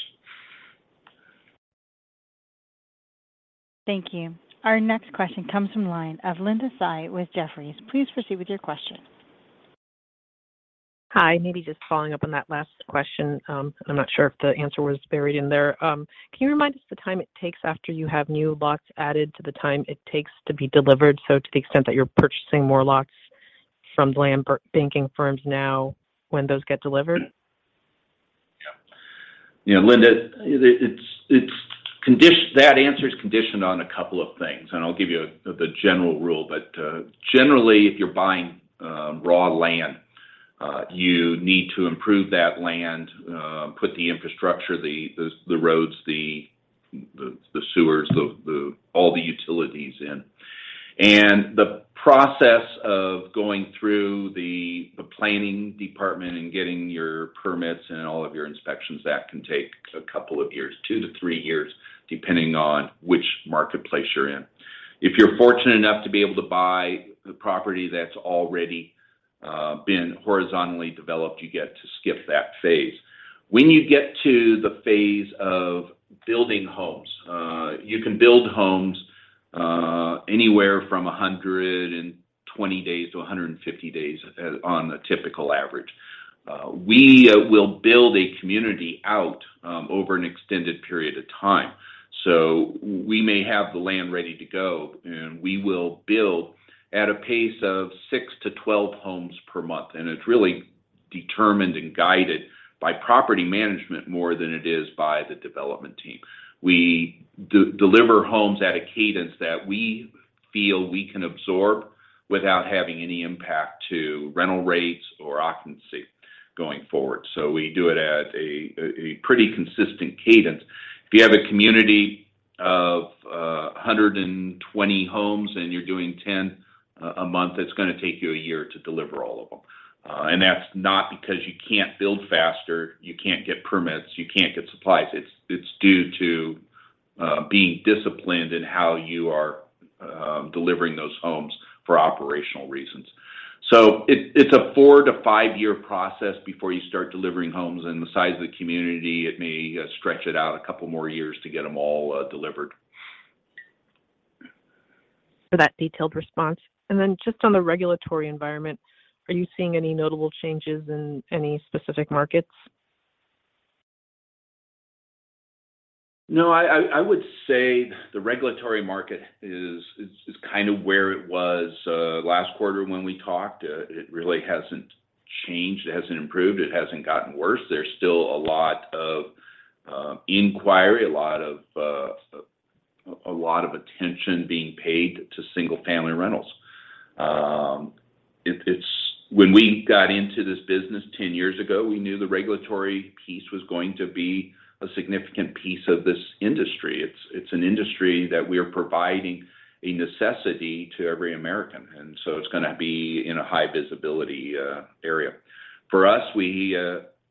Thank you. Our next question comes from line of Linda Tsai with Jefferies. Please proceed with your question. Hi. Maybe just following up on that last question, I'm not sure if the answer was buried in there? Can you remind us the time it takes after you have new lots added to the time it takes to be delivered, so to the extent that you're purchasing more lots from land banking firms now when those get delivered? Yeah. You know, Linda, that answer is conditioned on a couple of things, and I'll give you the general rule. Generally, if you're buying raw land, you need to improve that land, put the infrastructure, the roads, the sewers, all the utilities in. The process of going through the planning department and getting your permits and all of your inspections, that can take a couple of years, two to three years, depending on which marketplace you're in. If you're fortunate enough to be able to buy a property that's already been horizontally developed, you get to skip that phase. When you get to the phase of building homes, you can build homes anywhere from 120 days to 150 days on a typical average. We will build a community out over an extended period of time. We may have the land ready to go, and we will build at a pace of six to 12 homes per month. It's really determined and guided by property management more than it is by the development team. We deliver homes at a cadence that we feel we can absorb without having any impact to rental rates or occupancy going forward. We do it at a pretty consistent cadence. If you have a community of 120 homes and you're doing 10 a month, it's gonna take you a year to deliver all of them. That's not because you can't build faster, you can't get permits, you can't get supplies. It's due to being disciplined in how you are delivering those homes for operational reasons. It's a four- to five-year process before you start delivering homes. The size of the community, it may stretch it out a couple more years to get them all delivered. For that detailed response. Just on the regulatory environment, are you seeing any notable changes in any specific markets? No, I would say the regulatory market is kind of where it was last quarter when we talked. It really hasn't changed. It hasn't improved. It hasn't gotten worse. There's still a lot of inquiry, a lot of attention being paid to single-family rentals. When we got into this business 10 years ago, we knew the regulatory piece was going to be a significant piece of this industry. It's an industry that we are providing a necessity to every American, and so it's gonna be in a high visibility area. For us, you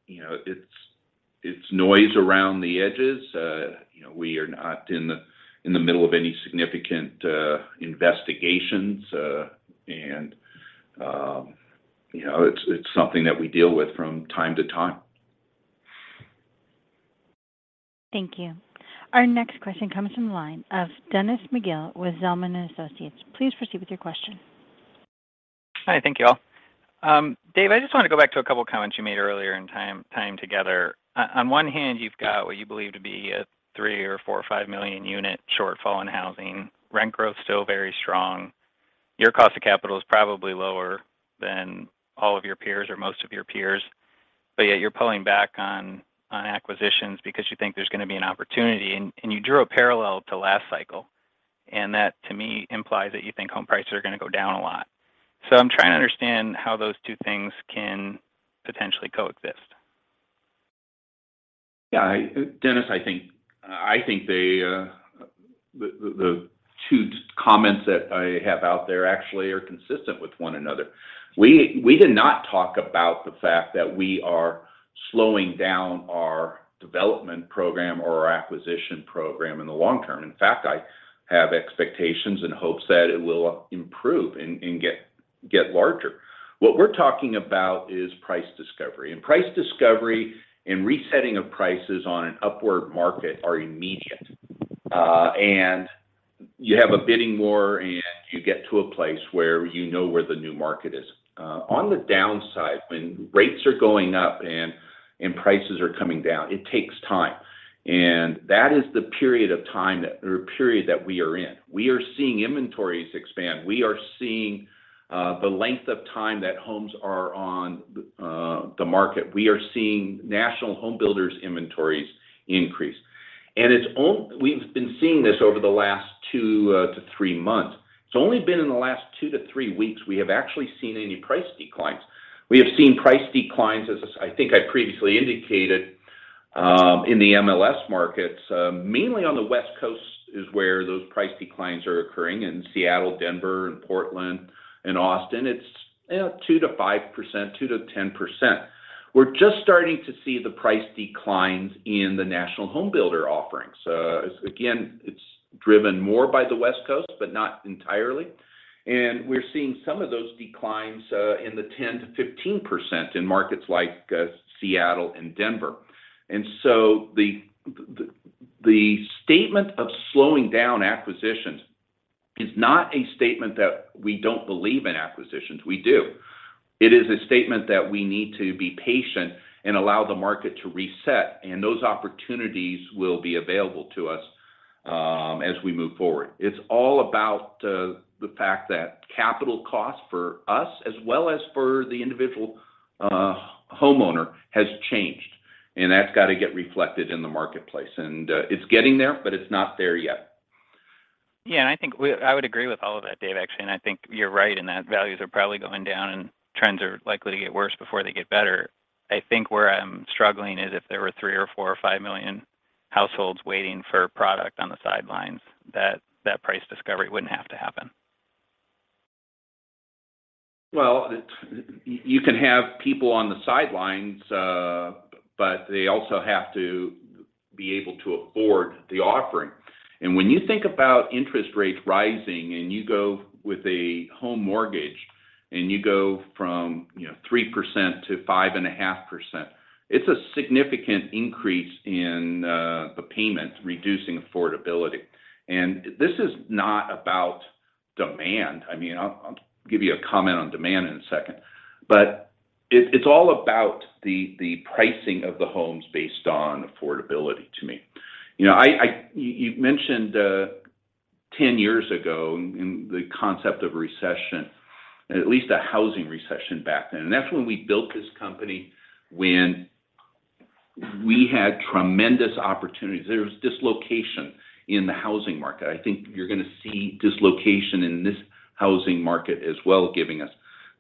know, it's noise around the edges. You know, we are not in the middle of any significant investigations. And you know, it's something that we deal with from time to time. Thank you. Our next question comes from the line of Dennis McGill with Zelman & Associates. Please proceed with your question. Hi, thank you all. Dave, I just want to go back to a couple comments you made earlier in time together. On one hand, you've got what you believe to be a 3 million or 4 million or 5 million unit shortfall in housing. Rent growth still very strong. Your cost of capital is probably lower than all of your peers or most of your peers, but yet you're pulling back on acquisitions because you think there's going to be an opportunity. You drew a parallel to last cycle, and that to me implies that you think home prices are going to go down a lot. I'm trying to understand how those two things can potentially coexist? Yeah. Dennis, I think the two comments that I have out there actually are consistent with one another. We did not talk about the fact that we are slowing down our development program or our acquisition program in the long term. In fact, I have expectations and hopes that it will improve and get larger. What we're talking about is price discovery. Price discovery and resetting of prices on an upward market are immediate. You have a bidding war, and you get to a place where you know where the new market is. On the downside, when rates are going up and prices are coming down, it takes time. That is the period of time that or period that we are in. We are seeing inventories expand. We are seeing the length of time that homes are on the market. We are seeing national home builders inventories increase. We've been seeing this over the last two to three months. It's only been in the last two to three weeks we have actually seen any price declines. We have seen price declines as, I think I previously indicated, in the MLS markets. Mainly on the West Coast is where those price declines are occurring. In Seattle, Denver, and Portland, and Austin. It's 2%-5%, 2%-10%. We're just starting to see the price declines in the national home builder offerings. Again, it's driven more by the West Coast, but not entirely. We're seeing some of those declines in the 10%-15% in markets like Seattle and Denver. The statement of slowing down acquisitions is not a statement that we don't believe in acquisitions. We do. It is a statement that we need to be patient and allow the market to reset, and those opportunities will be available to us as we move forward. It's all about the fact that capital costs for us as well as for the individual homeowner has changed, and that's got to get reflected in the marketplace. It's getting there, but it's not there yet. Yeah. I think I would agree with all of that, Dave, actually, and I think you're right in that values are probably going down and trends are likely to get worse before they get better. I think where I'm struggling is if there were 3 million or 4 million or 5 million households waiting for product on the sidelines, that price discovery wouldn't have to happen? Well, you can have people on the sidelines, but they also have to be able to afford the offering. When you think about interest rates rising and you go with a home mortgage, and you go from, you know, 3% to 5.5%, it's a significant increase in the payment, reducing affordability. This is not about demand. I mean, I'll give you a comment on demand in a second. It's all about the pricing of the homes based on affordability to me. You know, you mentioned 10 years ago and the concept of recession, at least a housing recession back then. That's when we built this company when we had tremendous opportunities. There was dislocation in the housing market. I think you're going to see dislocation in this housing market as well, giving us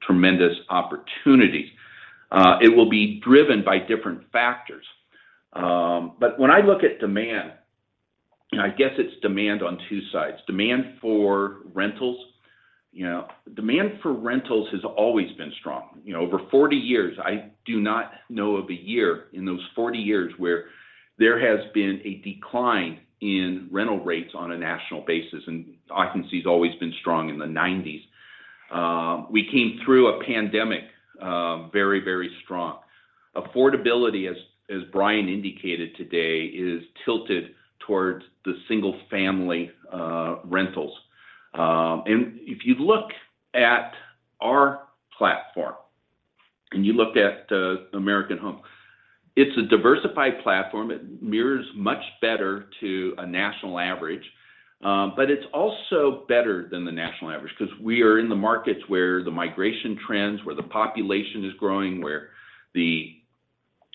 tremendous opportunities. It will be driven by different factors. When I look at demand, and I guess it's demand on two sides. Demand for rentals, you know. Demand for rentals has always been strong. You know, over 40 years, I do not know of a year in those 40 years where there has been a decline in rental rates on a national basis, and occupancy has always been strong in the 90s. We came through a pandemic, very, very strong. Affordability, as Bryan indicated today, is tilted towards the single-family rentals. If you look at our platform and you looked at American Homes 4 Rent, it's a diversified platform. It mirrors much better to a national average. It's also better than the national average because we are in the markets where the migration trends, where the population is growing, where the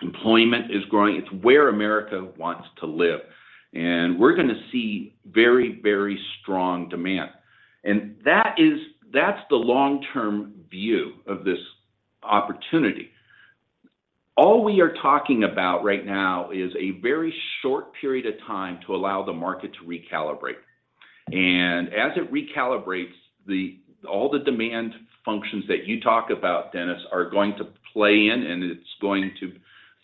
employment is growing. It's where America wants to live. We're going to see very, very strong demand. That's the long-term view of this opportunity. All we are talking about right now is a very short period of time to allow the market to recalibrate. As it recalibrates, all the demand functions that you talk about, Dennis, are going to play in, and it's going to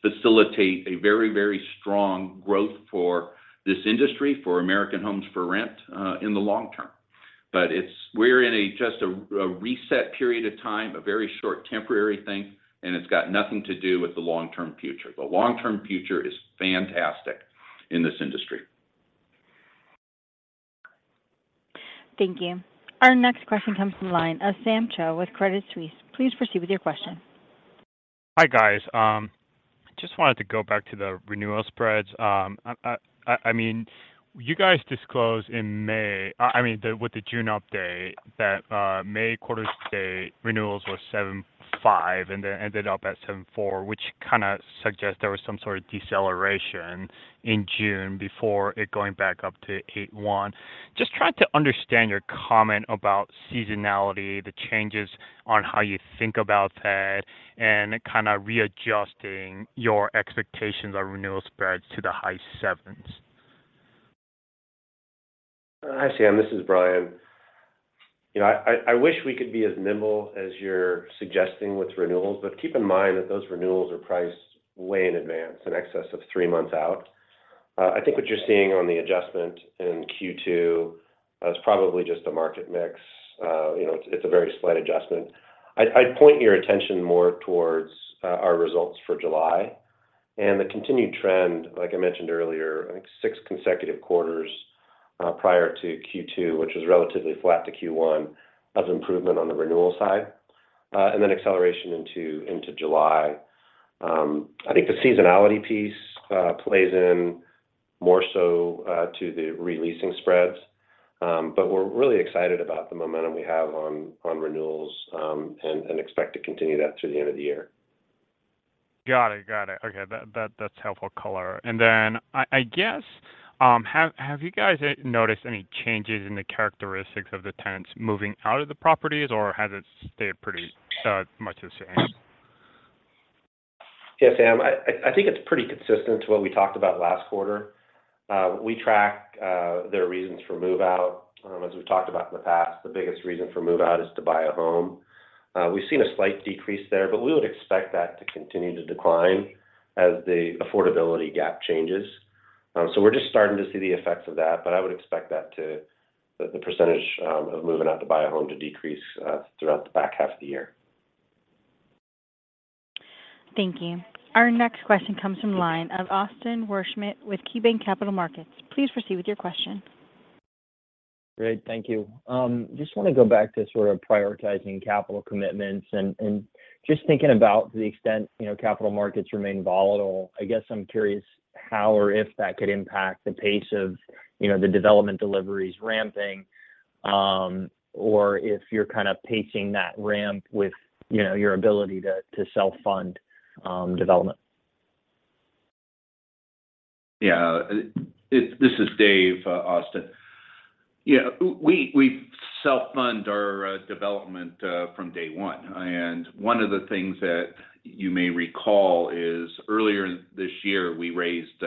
facilitate a very, very strong growth for this industry, for American Homes 4 Rent, in the long term. We're in just a reset period of time, a very short temporary thing, and it's got nothing to do with the long-term future. The long-term future is fantastic in this industry. Thank you. Our next question comes from the line of Sam Cho with Credit Suisse. Please proceed with your question. Hi, guys. Just wanted to go back to the renewal spreads. I mean, you guys disclosed in May, I mean, with the June update that, May quarter-to-date renewals were 7.5%, and they ended up at 7.4%, which kinda suggests there was some sort of deceleration in June before it going back up to 8.1%. Just trying to understand your comment about seasonality, the changes on how you think about that, and it kinda readjusting your expectations on renewal spreads to the high sevens? Hi, Sam, this is Bryan. You know, I wish we could be as nimble as you're suggesting with renewals, but keep in mind that those renewals are priced way in advance, in excess of three months out. I think what you're seeing on the adjustment in Q2 is probably just a market mix. You know, it's a very slight adjustment. I'd point your attention more towards our results for July and the continued trend, like I mentioned earlier. I think six consecutive quarters prior to Q2, which was relatively flat to Q1, of improvement on the renewal side, and then acceleration into July. I think the seasonality piece plays in more so to the re-leasing spreads. We're really excited about the momentum we have on renewals, and expect to continue that through the end of the year. Got it. Okay. That's helpful color. I guess have you guys noticed any changes in the characteristics of the tenants moving out of the properties, or has it stayed pretty much the same? Yeah, Sam. I think it's pretty consistent to what we talked about last quarter. We track their reasons for move-out. As we've talked about in the past, the biggest reason for move-out is to buy a home. We've seen a slight decrease there, but we would expect that to continue to decline as the affordability gap changes. We're just starting to see the effects of that, but I would expect the percentage of moving out to buy a home to decrease throughout the back half of the year. Thank you. Our next question comes from the line of Austin Wurschmidt with KeyBanc Capital Markets. Please proceed with your question. Great. Thank you. Just wanna go back to sort of prioritizing capital commitments and just thinking about the extent, you know, capital markets remain volatile. I guess I'm curious how or if that could impact the pace of, you know, the development deliveries ramping, or if you're kind of pacing that ramp with, you know, your ability to self-fund development? Yeah. This is David, Austin. Yeah. We self-fund our development from day one. One of the things that you may recall is earlier this year, we raised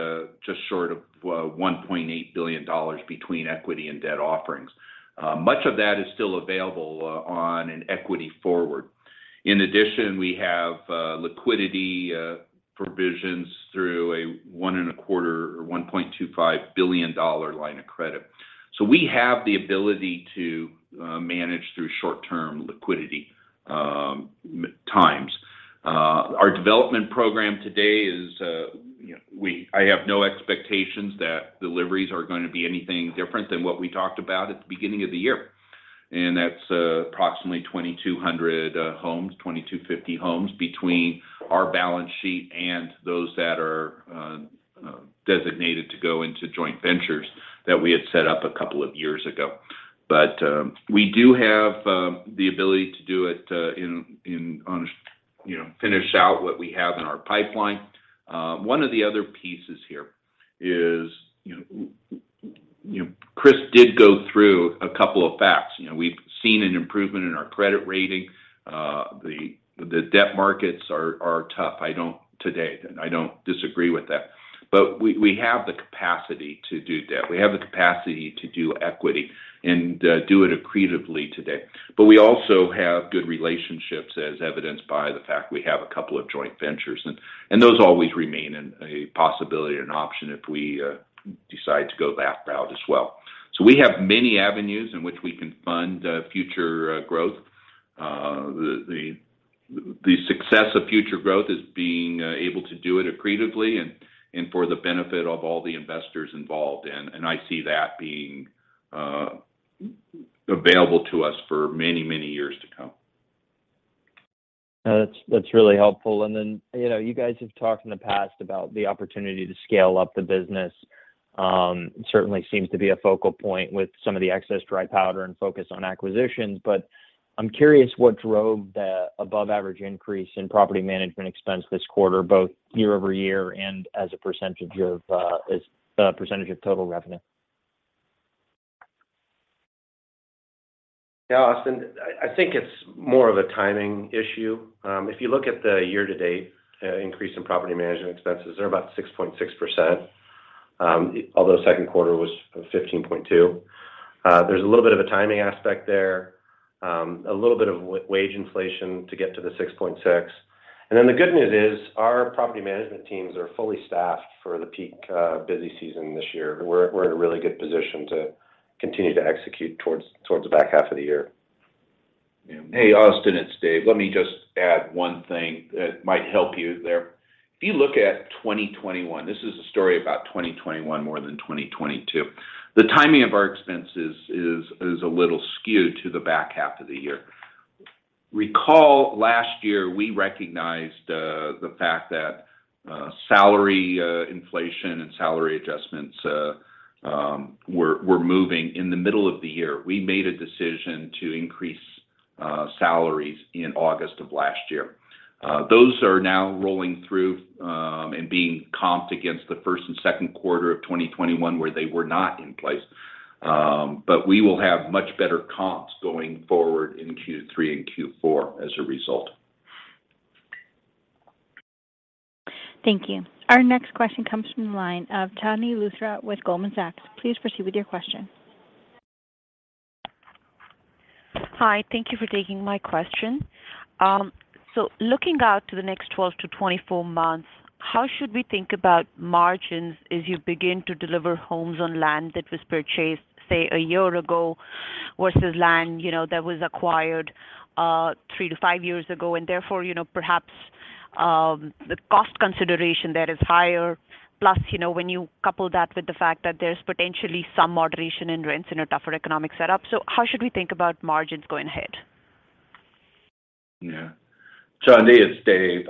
just short of $1.8 billion between equity and debt offerings. Much of that is still available on an equity forward. In addition, we have liquidity provisions through a $1.25 billion line of credit. We have the ability to manage through short-term liquidity times. Our development program today is, you know, I have no expectations that deliveries are gonna be anything different than what we talked about at the beginning of the year, and that's approximately 2,200 homes, 2,250 homes between our balance sheet and those that are designated to go into joint ventures that we had set up a couple of years ago. We do have the ability to do it, you know, finish out what we have in our pipeline. One of the other pieces here is, you know, Chris did go through a couple of facts. You know, we've seen an improvement in our credit rating. The debt markets are tough today, and I don't disagree with that. We have the capacity to do debt. We have the capacity to do equity and do it accretively today. We also have good relationships, as evidenced by the fact we have a couple of joint ventures, and those always remain a possibility and an option if we decide to go that route as well. We have many avenues in which we can fund future growth. The success of future growth is being able to do it accretively and for the benefit of all the investors involved. I see that being available to us for many years to come. That's really helpful. Then, you know, you guys have talked in the past about the opportunity to scale up the business. Certainly seems to be a focal point with some of the excess dry powder and focus on acquisitions. I'm curious what drove the above average increase in property management expense this quarter, both year-over-year and as a percentage of total revenue? Yeah, Austin, I think it's more of a timing issue. If you look at the year to date increase in property management expenses, they're about 6.6%, although second quarter was 15.2%. There's a little bit of a timing aspect there, a little bit of wage inflation to get to the 6.6%. Then the good news is our property management teams are fully staffed for the peak busy season this year. We're in a really good position to continue to execute towards the back half of the year. Hey, Austin, it's Dave. Let me just add one thing that might help you there. If you look at 2021, this is a story about 2021 more than 2022. The timing of our expenses is a little skewed to the back half of the year. Recall last year, we recognized the fact that salary inflation and salary adjustments were moving in the middle of the year. We made a decision to increase salaries in August of last year. Those are now rolling through and being comped against the first and second quarter of 2021 where they were not in place. But we will have much better comps going forward in Q3 and Q4 as a result. Thank you. Our next question comes from the line of Chandni Luthra with Goldman Sachs. Please proceed with your question. Hi, thank you for taking my question. Looking out to the next 12-24 months, how should we think about margins as you begin to deliver homes on land that was purchased, say, a year ago versus land, you know, that was acquired three to five years ago, and therefore, you know, perhaps the cost consideration there is higher, plus, you know, when you couple that with the fact that there's potentially some moderation in rents in a tougher economic setup. How should we think about margins going ahead? Yeah. Chandni, it's Dave.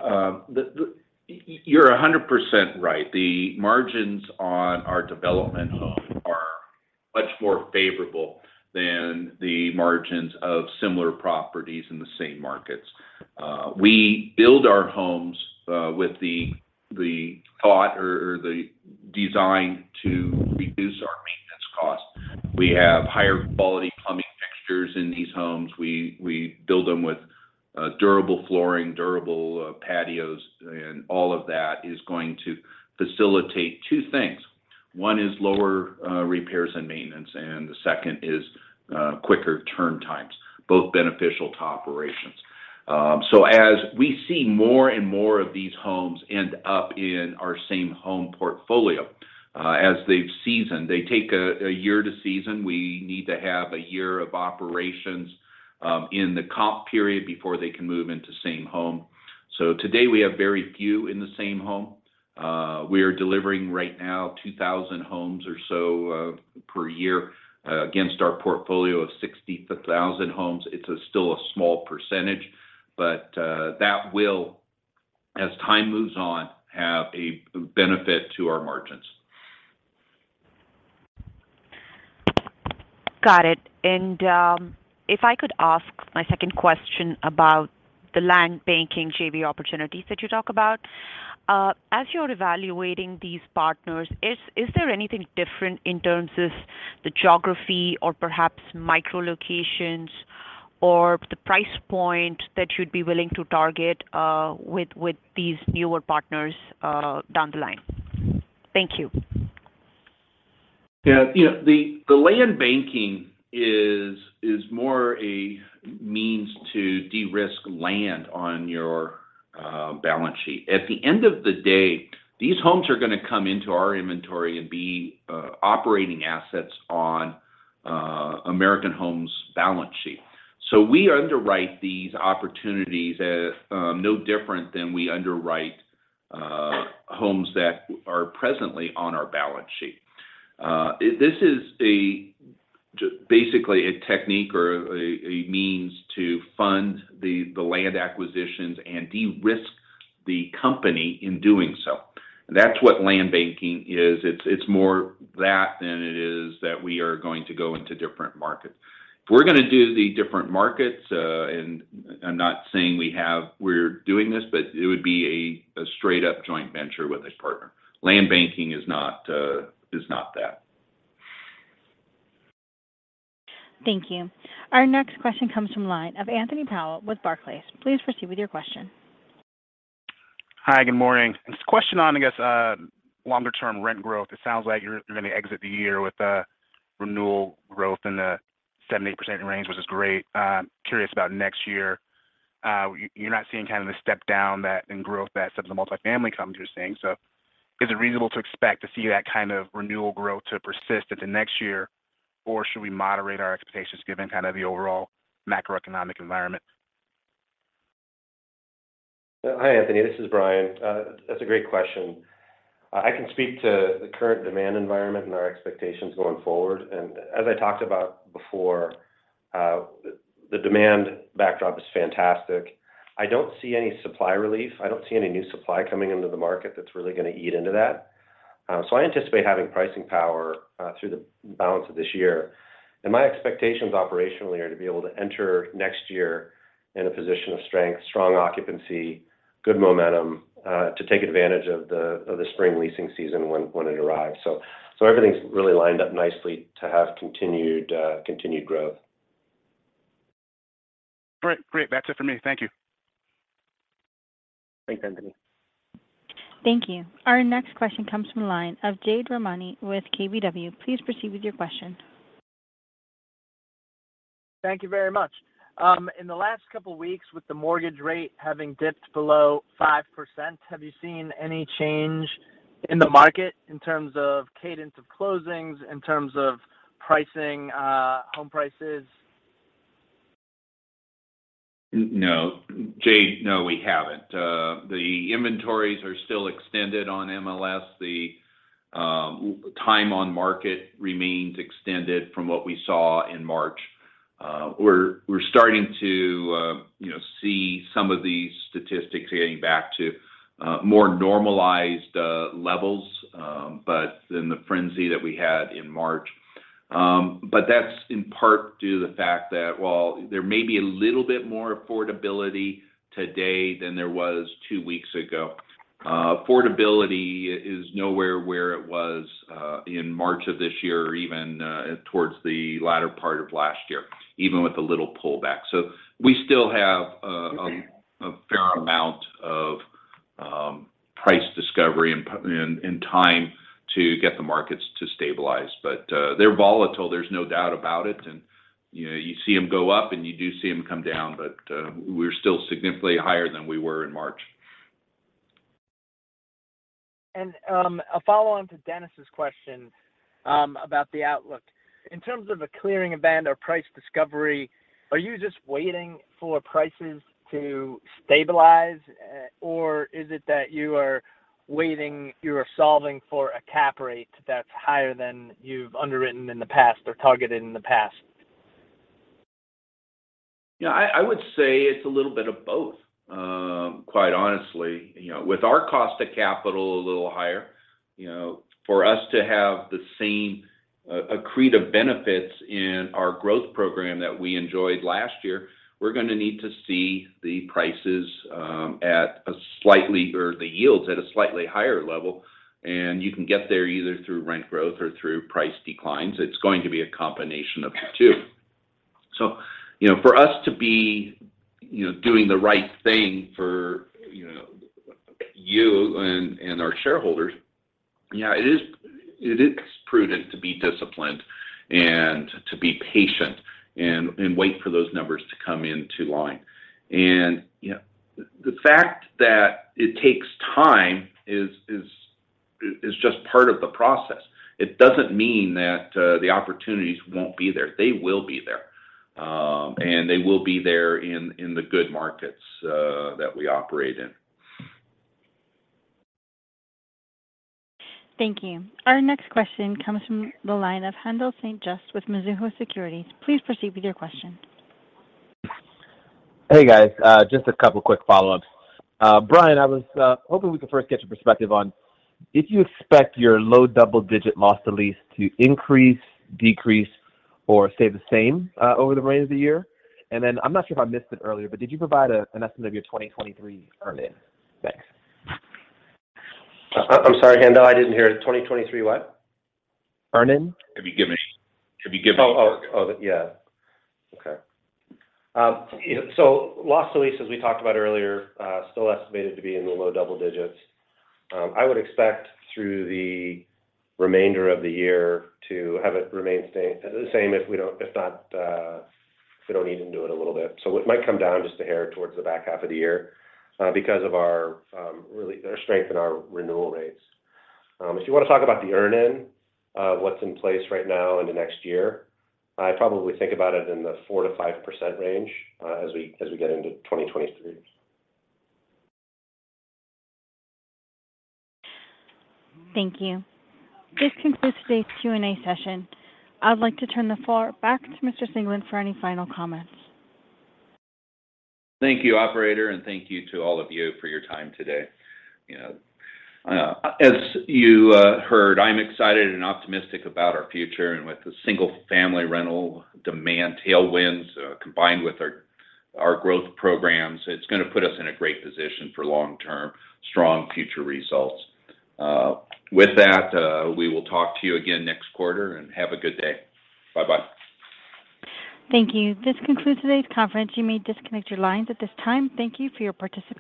You're 100% right. The margins on our development homes are much more favorable than the margins of similar properties in the same markets. We build our homes with the thought or the design to reduce our maintenance costs. We have higher quality plumbing fixtures in these homes. We build them with durable flooring, durable patios, and all of that is going to facilitate two things. One is lower repairs and maintenance, and the second is quicker turn times, both beneficial to operations. As we see more and more of these homes end up in our Same-Home portfolio, as they've seasoned. They take a year to season. We need to have a year of operations in the comp period before they can move into Same-Home. Today, we have very few in the Same-Home. We are delivering right now 2,000 homes or so per year against our portfolio of 60,000 homes. It's still a small percentage, but that will, as time moves on, have a benefit to our margins. Got it. If I could ask my second question about the land banking JV opportunities that you talk about. As you're evaluating these partners, is there anything different in terms of the geography or perhaps micro locations or the price point that you'd be willing to target, with these newer partners, down the line? Thank you. Yeah. You know, the land banking is more a means to de-risk land on your balance sheet. At the end of the day, these homes are gonna come into our inventory and be operating assets on American Homes 4 Rent's balance sheet. We underwrite these opportunities as no different than we underwrite homes that are presently on our balance sheet. This is basically a technique or a means to fund the land acquisitions and de-risk the company in doing so. That's what land banking is. It's more that than it is that we are going to go into different markets. If we're gonna do the different markets, and I'm not saying we're doing this, but it would be a straight up joint venture with a partner. Land banking is not that. Thank you. Our next question comes from the line of Anthony Powell with Barclays. Please proceed with your question. Hi, good morning. It's a question on, I guess, longer term rent growth. It sounds like you're gonna exit the year with a renewal growth in the 70%-80% range, which is great. Curious about next year. You're not seeing kind of the step down in growth that some of the multifamily companies are seeing. Is it reasonable to expect to see that kind of renewal growth to persist into next year, or should we moderate our expectations given kind of the overall macroeconomic environment? Hi, Anthony. This is Bryan. That's a great question. I can speak to the current demand environment and our expectations going forward. As I talked about before, the demand backdrop is fantastic. I don't see any supply relief. I don't see any new supply coming into the market that's really gonna eat into that. So I anticipate having pricing power through the balance of this year. My expectations operationally are to be able to enter next year in a position of strength, strong occupancy, good momentum to take advantage of the spring leasing season when it arrives. So everything's really lined up nicely to have continued growth. Great. That's it for me. Thank you. Thanks, Anthony. Thank you. Our next question comes from the line of Jade Rahmani with KBW. Please proceed with your question. Thank you very much. In the last couple weeks, with the mortgage rate having dipped below 5%, have you seen any change in the market in terms of cadence of closings, in terms of pricing, home prices? No. Jade, no, we haven't. The inventories are still extended on MLS. The time on market remains extended from what we saw in March. We're starting to you know see some of these statistics getting back to more normalized levels but than the frenzy that we had in March. That's in part due to the fact that while there may be a little bit more affordability today than there was two weeks ago, affordability is nowhere where it was in March of this year or even towards the latter part of last year, even with the little pullback. We still have, Okay A fair amount of price discovery and time to get the markets to stabilize. They're volatile, there's no doubt about it. You know, you see them go up, and you do see them come down. We're still significantly higher than we were in March. A follow-on to Dennis's question about the outlook. In terms of a clearing band or price discovery, are you just waiting for prices to stabilize? Or is it that you are solving for a cap rate that's higher than you've underwritten in the past or targeted in the past? Yeah, I would say it's a little bit of both, quite honestly. You know, with our cost of capital a little higher, you know, for us to have the same, accretive benefits in our growth program that we enjoyed last year, we're gonna need to see the prices or the yields at a slightly higher level. You can get there either through rent growth or through price declines. It's going to be a combination of the two. You know, for us to be, you know, doing the right thing for, you know, you and our shareholders, you know, it is prudent to be disciplined and to be patient and wait for those numbers to come into line. You know, the fact that it takes time is just part of the process. It doesn't mean that the opportunities won't be there. They will be there. They will be there in the good markets that we operate in. Thank you. Our next question comes from the line of Haendel St. Juste with Mizuho Securities. Please proceed with your question. Hey, guys. Just a couple of quick follow-ups. Bryan, I was hoping we could first get your perspective on if you expect your low double-digit Loss to Lease to increase, decrease, or stay the same over the remainder of the year? I'm not sure if I missed it earlier, but did you provide an estimate of your 2023 earn-in? Thanks. I'm sorry, Haendel, I didn't hear it. 2023 what? Earn-in. To be given. To be given. You know, Loss to Lease, as we talked about earlier, still estimated to be in the low double digits. I would expect through the remainder of the year to have it remain the same if we don't even do it a little bit. It might come down just a hair towards the back half of the year, because of our really the strength in our renewal rates. If you wanna talk about the earn-in, what's in place right now in the next year, I probably think about it in the 4%-5% range, as we get into 2023. Thank you. This concludes today's Q&A session. I'd like to turn the floor back to David Singelyn for any final comments. Thank you, operator, and thank you to all of you for your time today. You know, as you heard, I'm excited and optimistic about our future. With the single-family rental demand tailwinds, combined with our growth programs, it's gonna put us in a great position for long-term, strong future results. With that, we will talk to you again next quarter, and have a good day. Bye-bye. Thank you. This concludes today's conference. You may disconnect your lines at this time. Thank you for your participation.